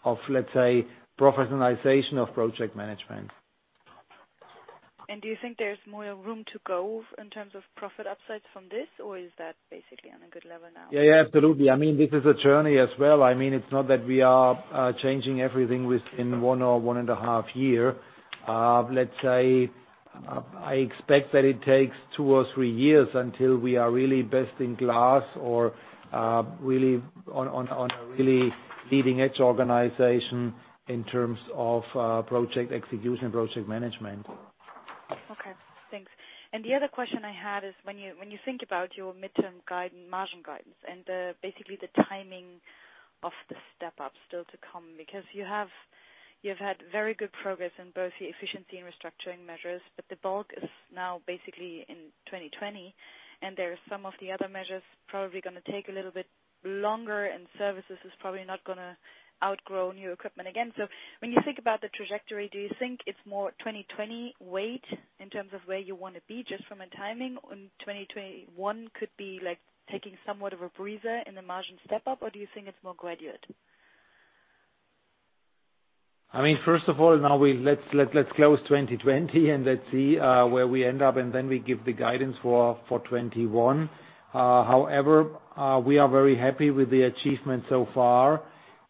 of let's say, professionalization of project management. Do you think there's more room to go in terms of profit upside from this, or is that basically on a good level now? Absolutely. This is a journey as well. It's not that we are changing everything within one or one and a half year. Let's say, I expect that it takes two or three years until we are really best in class or on a really leading edge organization in terms of project execution, project management. Thanks. The other question I had is, when you think about your midterm margin guidance and basically the timing of the step-up still to come. Because you've had very good progress in both the efficiency and restructuring measures, but the bulk is now basically in 2020, and there are some of the other measures probably going to take a little bit longer, and services is probably not going to outgrow new equipment again. When you think about the trajectory, do you think it's more 2020 weight in terms of where you want to be, just from a timing, or 2021 could be taking somewhat of a breather in the margin step-up, or do you think it's more gradual? First of all, now let's close 2020 and let's see where we end up. We give the guidance for 2021. However, we are very happy with the achievement so far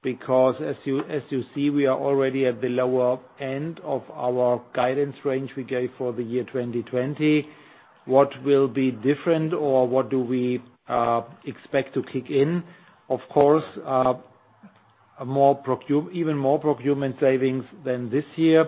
because, as you see, we are already at the lower end of our guidance range we gave for the year 2020. What will be different or what do we expect to kick in? Of course, even more procurement savings than this year.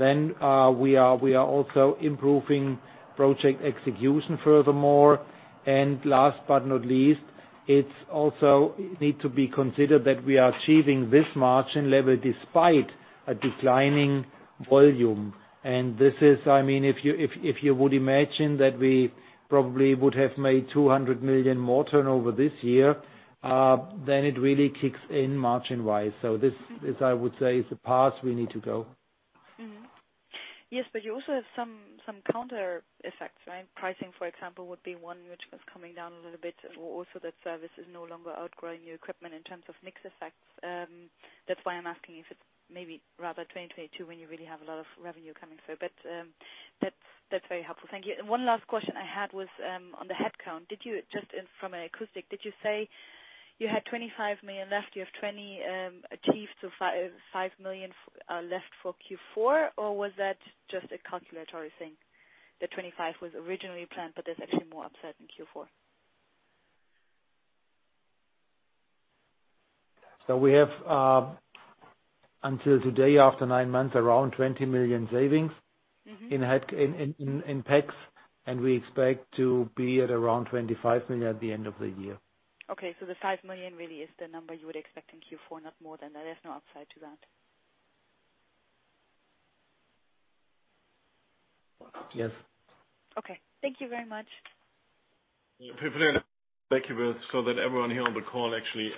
We are also improving project execution furthermore. Last but not least, it also need to be considered that we are achieving this margin level despite a declining volume. If you would imagine that we probably would have made 200 million more turnover this year, then it really kicks in margin-wise. This, I would say, is the path we need to go. You also have some counter effects, right? Pricing, for example, would be one which was coming down a little bit. Also that service is no longer outgrowing your equipment in terms of mix effects. That's why I'm asking if it's maybe rather 2022 when you really have a lot of revenue coming through. That's very helpful. Thank you. One last question I had was on the headcount. Just from an acoustic, did you say you had 25 million left, you have 20 achieved, so 5 million left for Q4, or was that just a calculatory thing, that 25 was originally planned, but there's actually more upside in Q4? We have, until today, after nine months, around 20 million savings. In packs, and we expect to be at around 25 million at the end of the year. The 5 million really is the number you would expect in Q4, not more than that. There's no upside to that? Yes. Thank you very much. thank you. That everyone here on the call actually,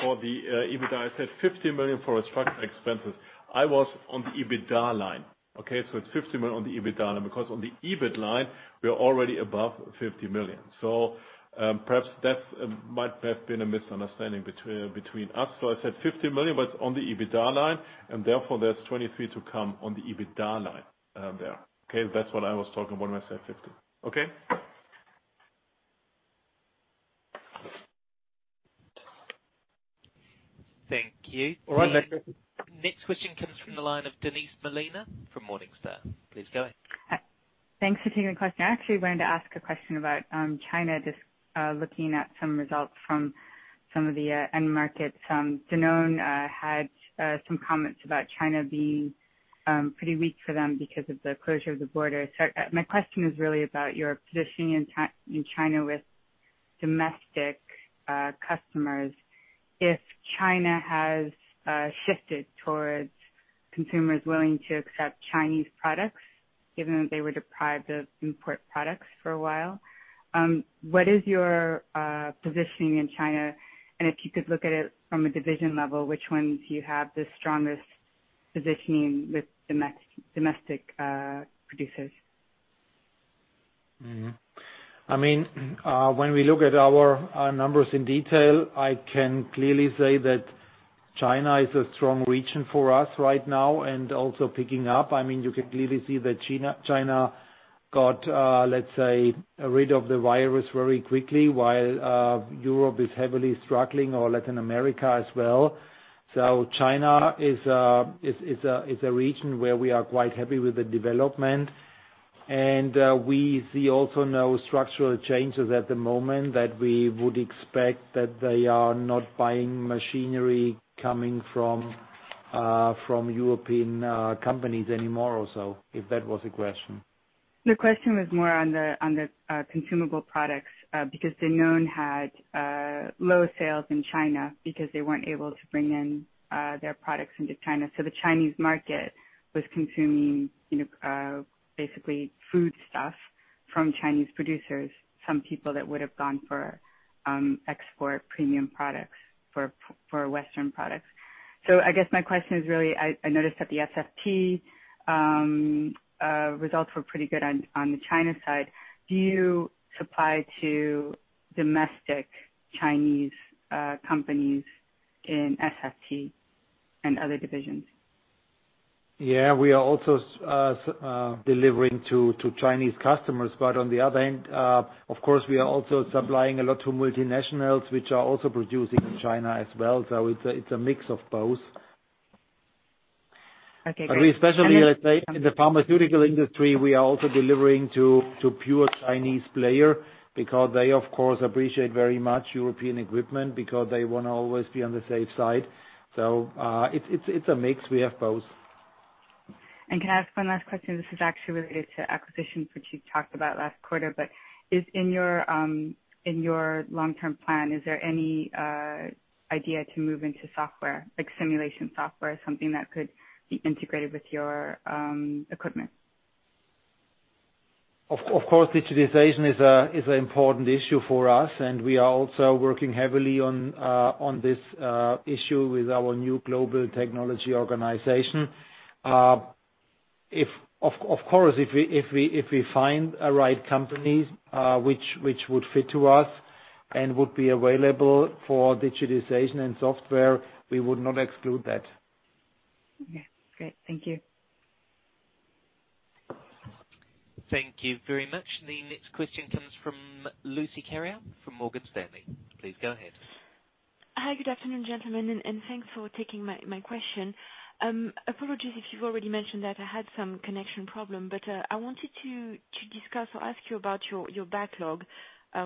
for the EBITDA, I said 50 million for restructuring expenses. I was on the EBITDA line. Okay? It's 50 million on the EBITDA line, because on the EBIT line, we're already above 50 million. Perhaps that might have been a misunderstanding between us. I said 50 million, but on the EBITDA line, and therefore there's 23 to come on the EBITDA line there. Okay? That's what I was talking about when I said 50. Okay? Thank you. Next question comes from the line of Denise Molina from Morningstar. Please go ahead. Thanks for taking the question. I actually wanted to ask a question about China, just looking at some results from some of the end markets. Danone had some comments about China being pretty weak for them because of the closure of the border. My question is really about your positioning in China with domestic customers. If China has shifted towards consumers willing to accept Chinese products, given that they were deprived of import products for a while, what is your positioning in China? If you could look at it from a division level, which ones do you have the strongest positioning with domestic producers? When we look at our numbers in detail, I can clearly say that China is a strong region for us right now, and also picking up. You can clearly see that China got, let's say, rid of the virus very quickly, while Europe is heavily struggling, or Latin America as well. China is a region where we are quite happy with the development. We see also no structural changes at the moment that we would expect that they are not buying machinery coming from European companies anymore also, if that was a question. The question was more on the consumable products, because Danone had low sales in China because they weren't able to bring in their products into China. The Chinese market was consuming, basically, food stuff from Chinese producers, some people that would've gone for export premium products, for Western products. I guess my question is really, I noticed that the SFT results were pretty good on the China side. Do you supply to domestic Chinese companies in SFT and other divisions? We are also delivering to Chinese customers. On the other end, of course, we are also supplying a lot to multinationals, which are also producing in China as well. It's a mix of both. Okay, great. We especially, I'd say, in the pharmaceutical industry, we are also delivering to pure Chinese player because they, of course, appreciate very much European equipment because they want to always be on the safe side. It's a mix. We have both. Can I ask one last question? This is actually related to acquisitions, which you talked about last quarter. In your long-term plan, is there any idea to move into software, like simulation software, something that could be integrated with your equipment? Digitalization is an important issue for us, and we are also working heavily on this issue with our new global technology organization. If we find a right companies, which would fit to us and would be available for digitalization and software, we would not exclude that. Great. Thank you. Thank you very much. The next question comes from Lucie Carrier from Morgan Stanley. Please go ahead. Hi. Good afternoon, gentlemen, and thanks for taking my question. Apologies if you've already mentioned that. I had some connection problem. I wanted to discuss or ask you about your backlog,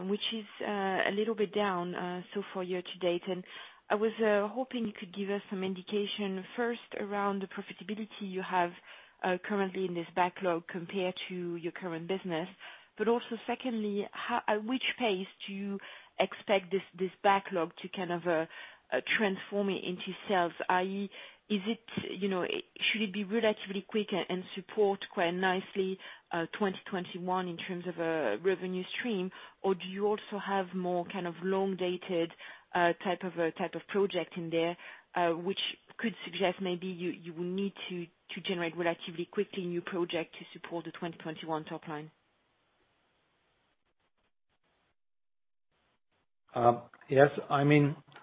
which is a little bit down so far year to date. I was hoping you could give us some indication, first, around the profitability you have currently in this backlog compared to your current business. Also secondly, at which pace do you expect this backlog to kind of transform into sales, i.e., should it be relatively quick and support quite nicely 2021 in terms of a revenue stream? Do you also have more kind of long-dated type of project in there, which could suggest maybe you will need to generate relatively quickly new project to support the 2021 top line? Yes.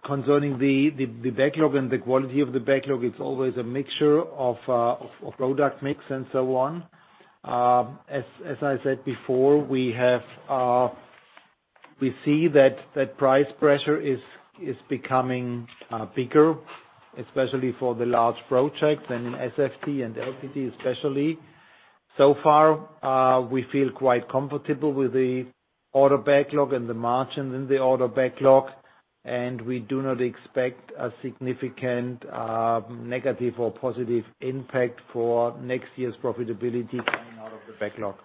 Concerning the backlog and the quality of the backlog, it's always a mixture of product mix and so on. As I said before, we see that price pressure is becoming bigger, especially for the large project and in SFT and LPT, especially. So far, we feel quite comfortable with the order backlog and the margins in the order backlog, and we do not expect a significant negative or positive impact for next year's profitability coming out of the backlog.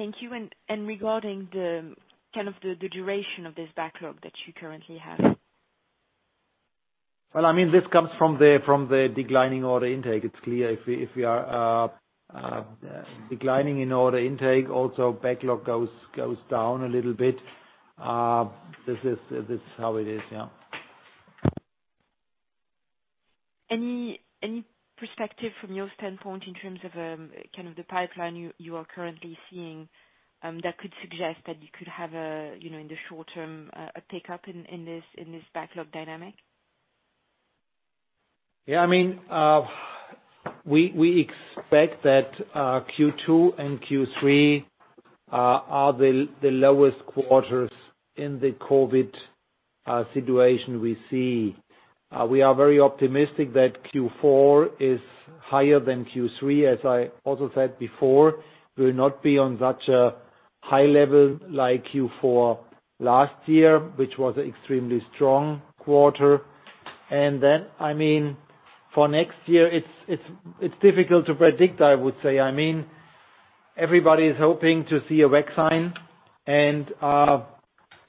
Thank you. Regarding the duration of this backlog that you currently have? This comes from the declining order intake. It is clear. If we are declining in order intake, also backlog goes down a little bit. This is how it is. Any perspective from your standpoint in terms of the pipeline you are currently seeing that could suggest that you could have, in the short term, a pickup in this backlog dynamic? We expect that Q2 and Q3 are the lowest quarters in the COVID situation we see. We are very optimistic that Q4 is higher than Q3. As I also said before, we'll not be on such a high level like Q4 last year, which was extremely strong quarter. For next year, it's difficult to predict, I would say. Everybody is hoping to see a vaccine,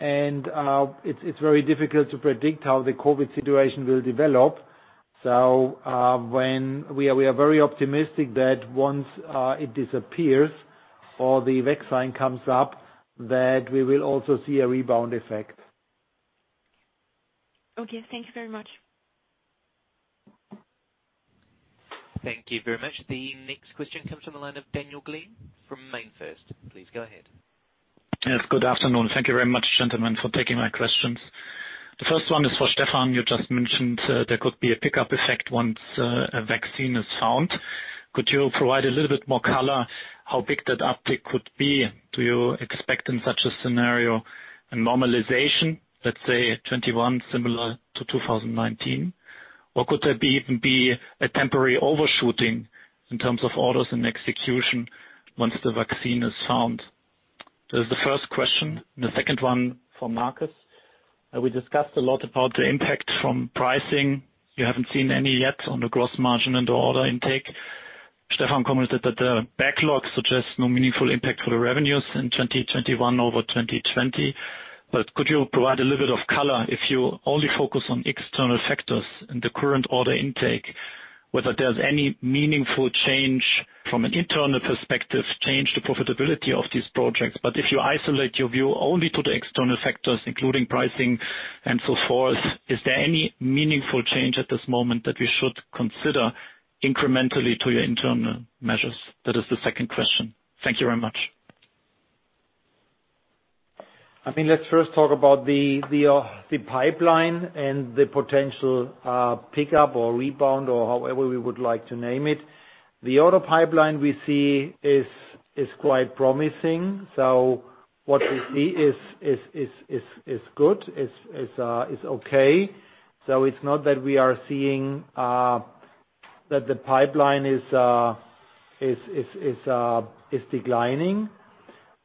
and it's very difficult to predict how the COVID situation will develop. We are very optimistic that once it disappears or the vaccine comes up, that we will also see a rebound effect. Thank you very much. Thank you very much. The next question comes from the line of Daniel Gleim from MainFirst. Please go ahead. Good afternoon. Thank you very much, gentlemen, for taking my questions. The first one is for Stefan. You just mentioned there could be a pickup effect once a vaccine is found. Could you provide a little bit more color how big that uptick could be? Do you expect, in such a scenario, a normalization, let's say 2021 similar to 2019? Could there be even be a temporary overshooting in terms of orders and execution once the vaccine is found? That is the first question. The second one for Marcus. We discussed a lot about the impact from pricing. You haven't seen any yet on the gross margin and the order intake. Stefan commented that the backlog suggests no meaningful impact for the revenues in 2021 over 2020. Could you provide a little bit of color, if you only focus on external factors in the current order intake, whether there's any meaningful change from an internal perspective, change the profitability of these projects? If you isolate your view only to the external factors, including pricing and so forth, is there any meaningful change at this moment that we should consider incrementally to your internal measures? That is the second question. Thank you very much. Let's first talk about the pipeline and the potential pickup or rebound or however we would like to name it. The order pipeline we see is quite promising. What we see is good, is okay.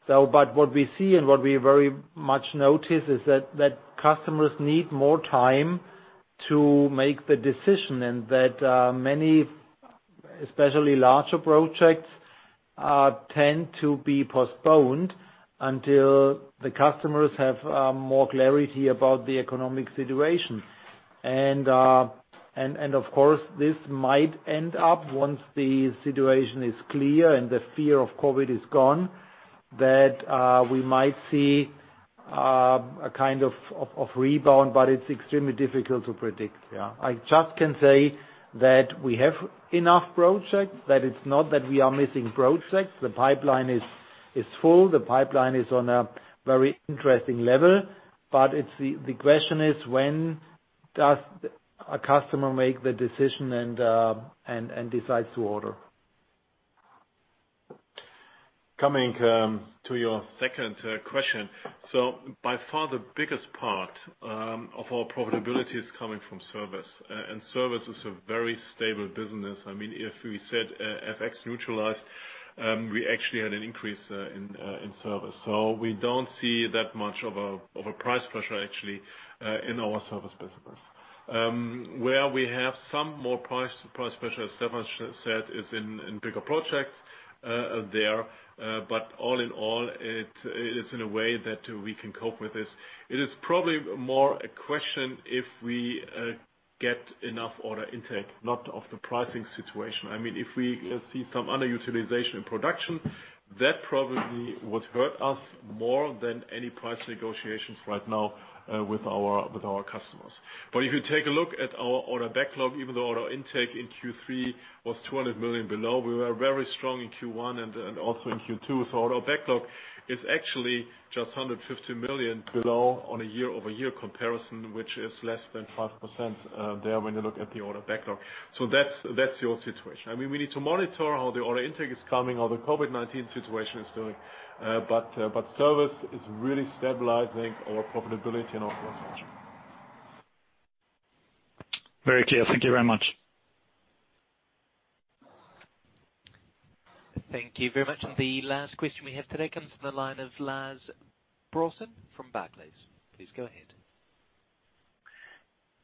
What we see and what we very much notice is that customers need more time to make the decision and that many, especially larger projects, tend to be postponed until the customers have more clarity about the economic situation. Of course, this might end up, once the situation is clear and the fear of COVID is gone, that we might see a kind of rebound, but it's extremely difficult to predict. I just can say that we have enough projects, that it's not that we are missing projects. The pipeline is full. The pipeline is on a very interesting level. The question is, when does a customer make the decision and decides to order? Coming to your second question. By far the biggest part of our profitability is coming from service, and service is a very stable business. If we said FX neutralized, we actually had an increase in service. We don't see that much of a price pressure, actually, in our service business. Where we have some more price pressure, as Stefan said, is in bigger projects there. All in all, it's in a way that we can cope with this. It is probably more a question if we get enough order intake, not of the pricing situation. If we see some underutilization in production, that probably would hurt us more than any price negotiations right now, with our customers. If you take a look at our order backlog, even though order intake in Q3 was 200 million below, we were very strong in Q1 and also in Q2. Our backlog is actually just 150 million below on a year-over-year comparison, which is less than 5% there when you look at the order backlog. That's your situation. We need to monitor how the order intake is coming, how the COVID-19 situation is doing. Service is really stabilizing our profitability and our gross margin. Very clear. Thank you very much. Thank you very much. The last question we have today comes from the line of Lars Brorson from Barclays. Please go ahead.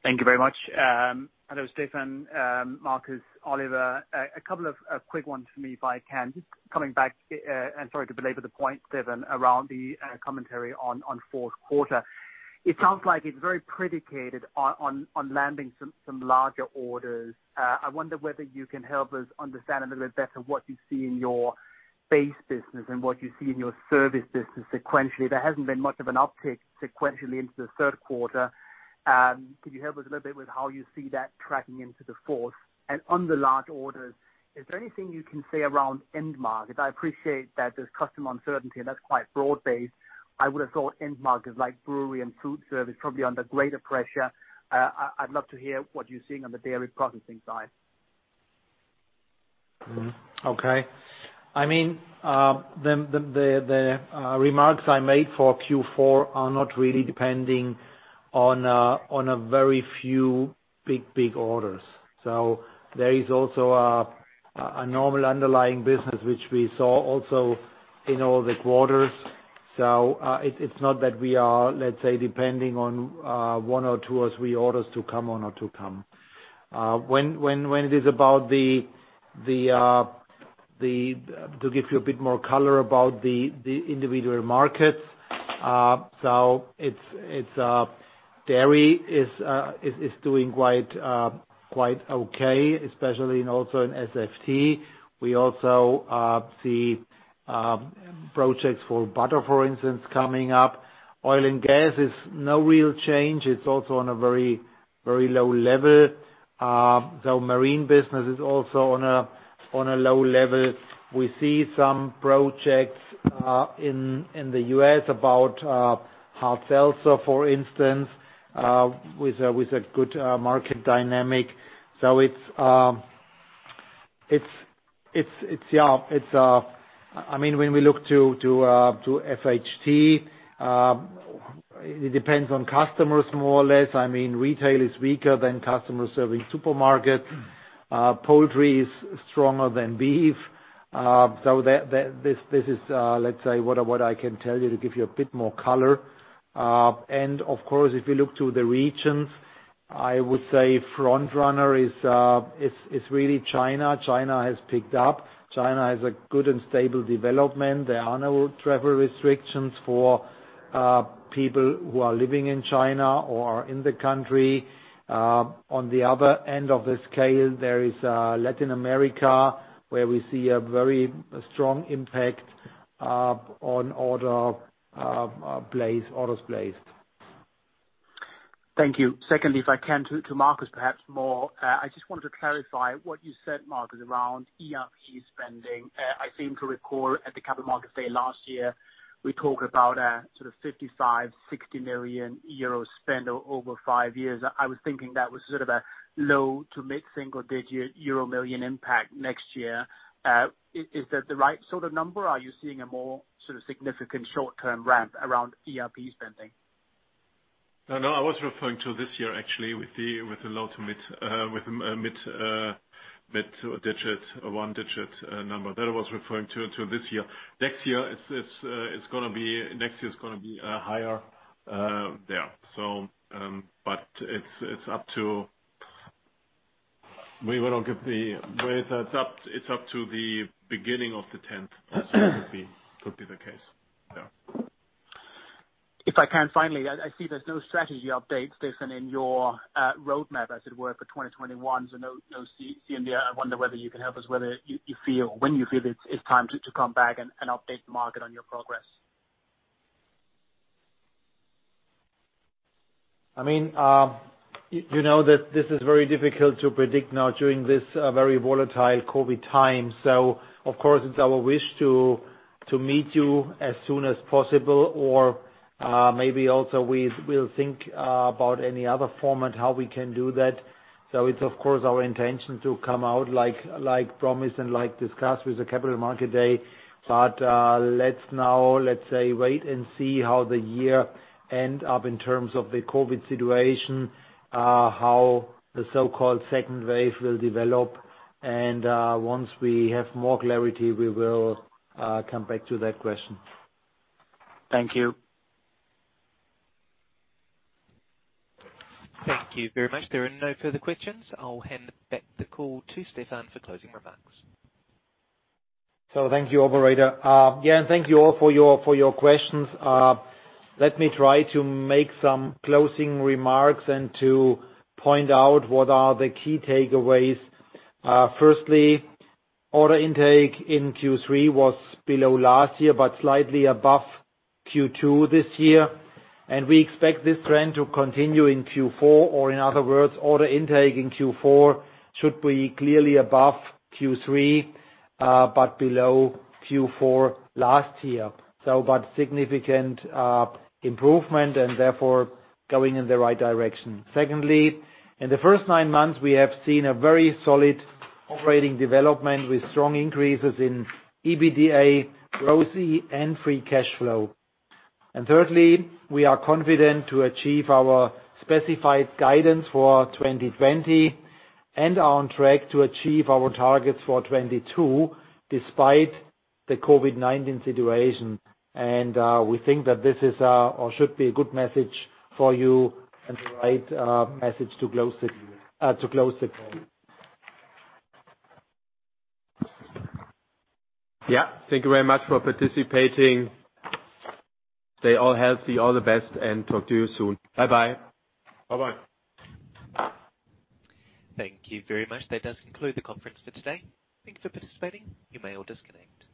Thank you very much. Hello, Stefan, Marcus, Oliver. A couple of quick ones for me if I can. Just coming back, and sorry to belabor the point, Stefan, around the commentary on fourth quarter. It sounds like it's very predicated on landing some larger orders. I wonder whether you can help us understand a little bit better what you see in your base business and what you see in your service business sequentially. There hasn't been much of an uptick sequentially into the third quarter. Can you help us a little bit with how you see that tracking into the fourth? On the large orders, is there anything you can say around end market? I appreciate that there's customer uncertainty and that's quite broad based. I would have thought end markets like brewery and food service probably under greater pressure. I'd love to hear what you're seeing on the dairy processing side. The remarks I made for Q4 are not really depending on a very few big orders. There is also a normal underlying business, which we saw also in all the quarters. It's not that we are, let's say, depending on one or two or three orders to come or not to come. To give you a bit more color about the individual markets, so dairy is doing quite okay, especially also in SFT. We also see projects for butter, for instance, coming up. Oil and gas is no real change. It's also on a very low level. Marine business is also on a low level. We see some projects in the U.S. about hard seltzers, for instance, with a good market dynamic. When we look to FHT, it depends on customers more or less. Retail is weaker than customers serving supermarkets. Poultry is stronger than beef. This is, let's say, what I can tell you to give you a bit more color. Of course, if you look to the regions, I would say front runner is really China. China has picked up. China has a good and stable development. There are no travel restrictions for people who are living in China or are in the country. On the other end of the scale, there is Latin America, where we see a very strong impact on orders placed. Thank you. Secondly, if I can, to Marcus perhaps more. I just wanted to clarify what you said, Marcus, around ERP spending. I seem to recall at the Capital Markets Day last year, we talked about a sort of 55 million-60 million euros spend over five years. I was thinking that was sort of a low to mid single-digit euro million impact next year. Is that the right sort of number? Are you seeing a more sort of significant short-term ramp around ERP spending? I was referring to this year actually with the low to mid, with mid to a digit, a one-digit number. That I was referring to this year. Next year it's going to be higher there. It's up to the beginning of the 10th could be the case. If I can, finally, I see there's no strategy updates, Stefan, in your roadmap, as it were, for 2021. No CMD. I wonder whether you can help us whether you feel when you feel it's time to come back and update the market on your progress. You know that this is very difficult to predict now during this very volatile COVID time. Of course it's our wish to meet you as soon as possible or maybe also we'll think about any other format how we can do that. It's of course our intention to come out like promised and like discussed with the Capital Markets Day. Let's now, let's say, wait and see how the year end up in terms of the COVID situation, how the so-called second wave will develop. Once we have more clarity, we will come back to that question. Thank you. Thank you very much. There are no further questions. I will hand back the call to Stefan for closing remarks. Thank you, operator. Thank you all for your questions. Let me try to make some closing remarks and to point out what are the key takeaways. Firstly, order intake in Q3 was below last year, but slightly above Q2 this year. We expect this trend to continue in Q4, or in other words, order intake in Q4 should be clearly above Q3, but below Q4 last year. Significant improvement and therefore going in the right direction. Secondly, in the first nine months, we have seen a very solid operating development with strong increases in EBITDA, ROCE, and free cash flow. Thirdly, we are confident to achieve our specified guidance for 2020 and are on track to achieve our targets for 2022, despite the COVID-19 situation. We think that this is or should be a good message for you and the right message to close the call. Thank you very much for participating. Stay all healthy, all the best, and talk to you soon. Bye-bye. Bye-bye. Thank you very much. That does conclude the conference for today. Thank you for participating. You may all disconnect.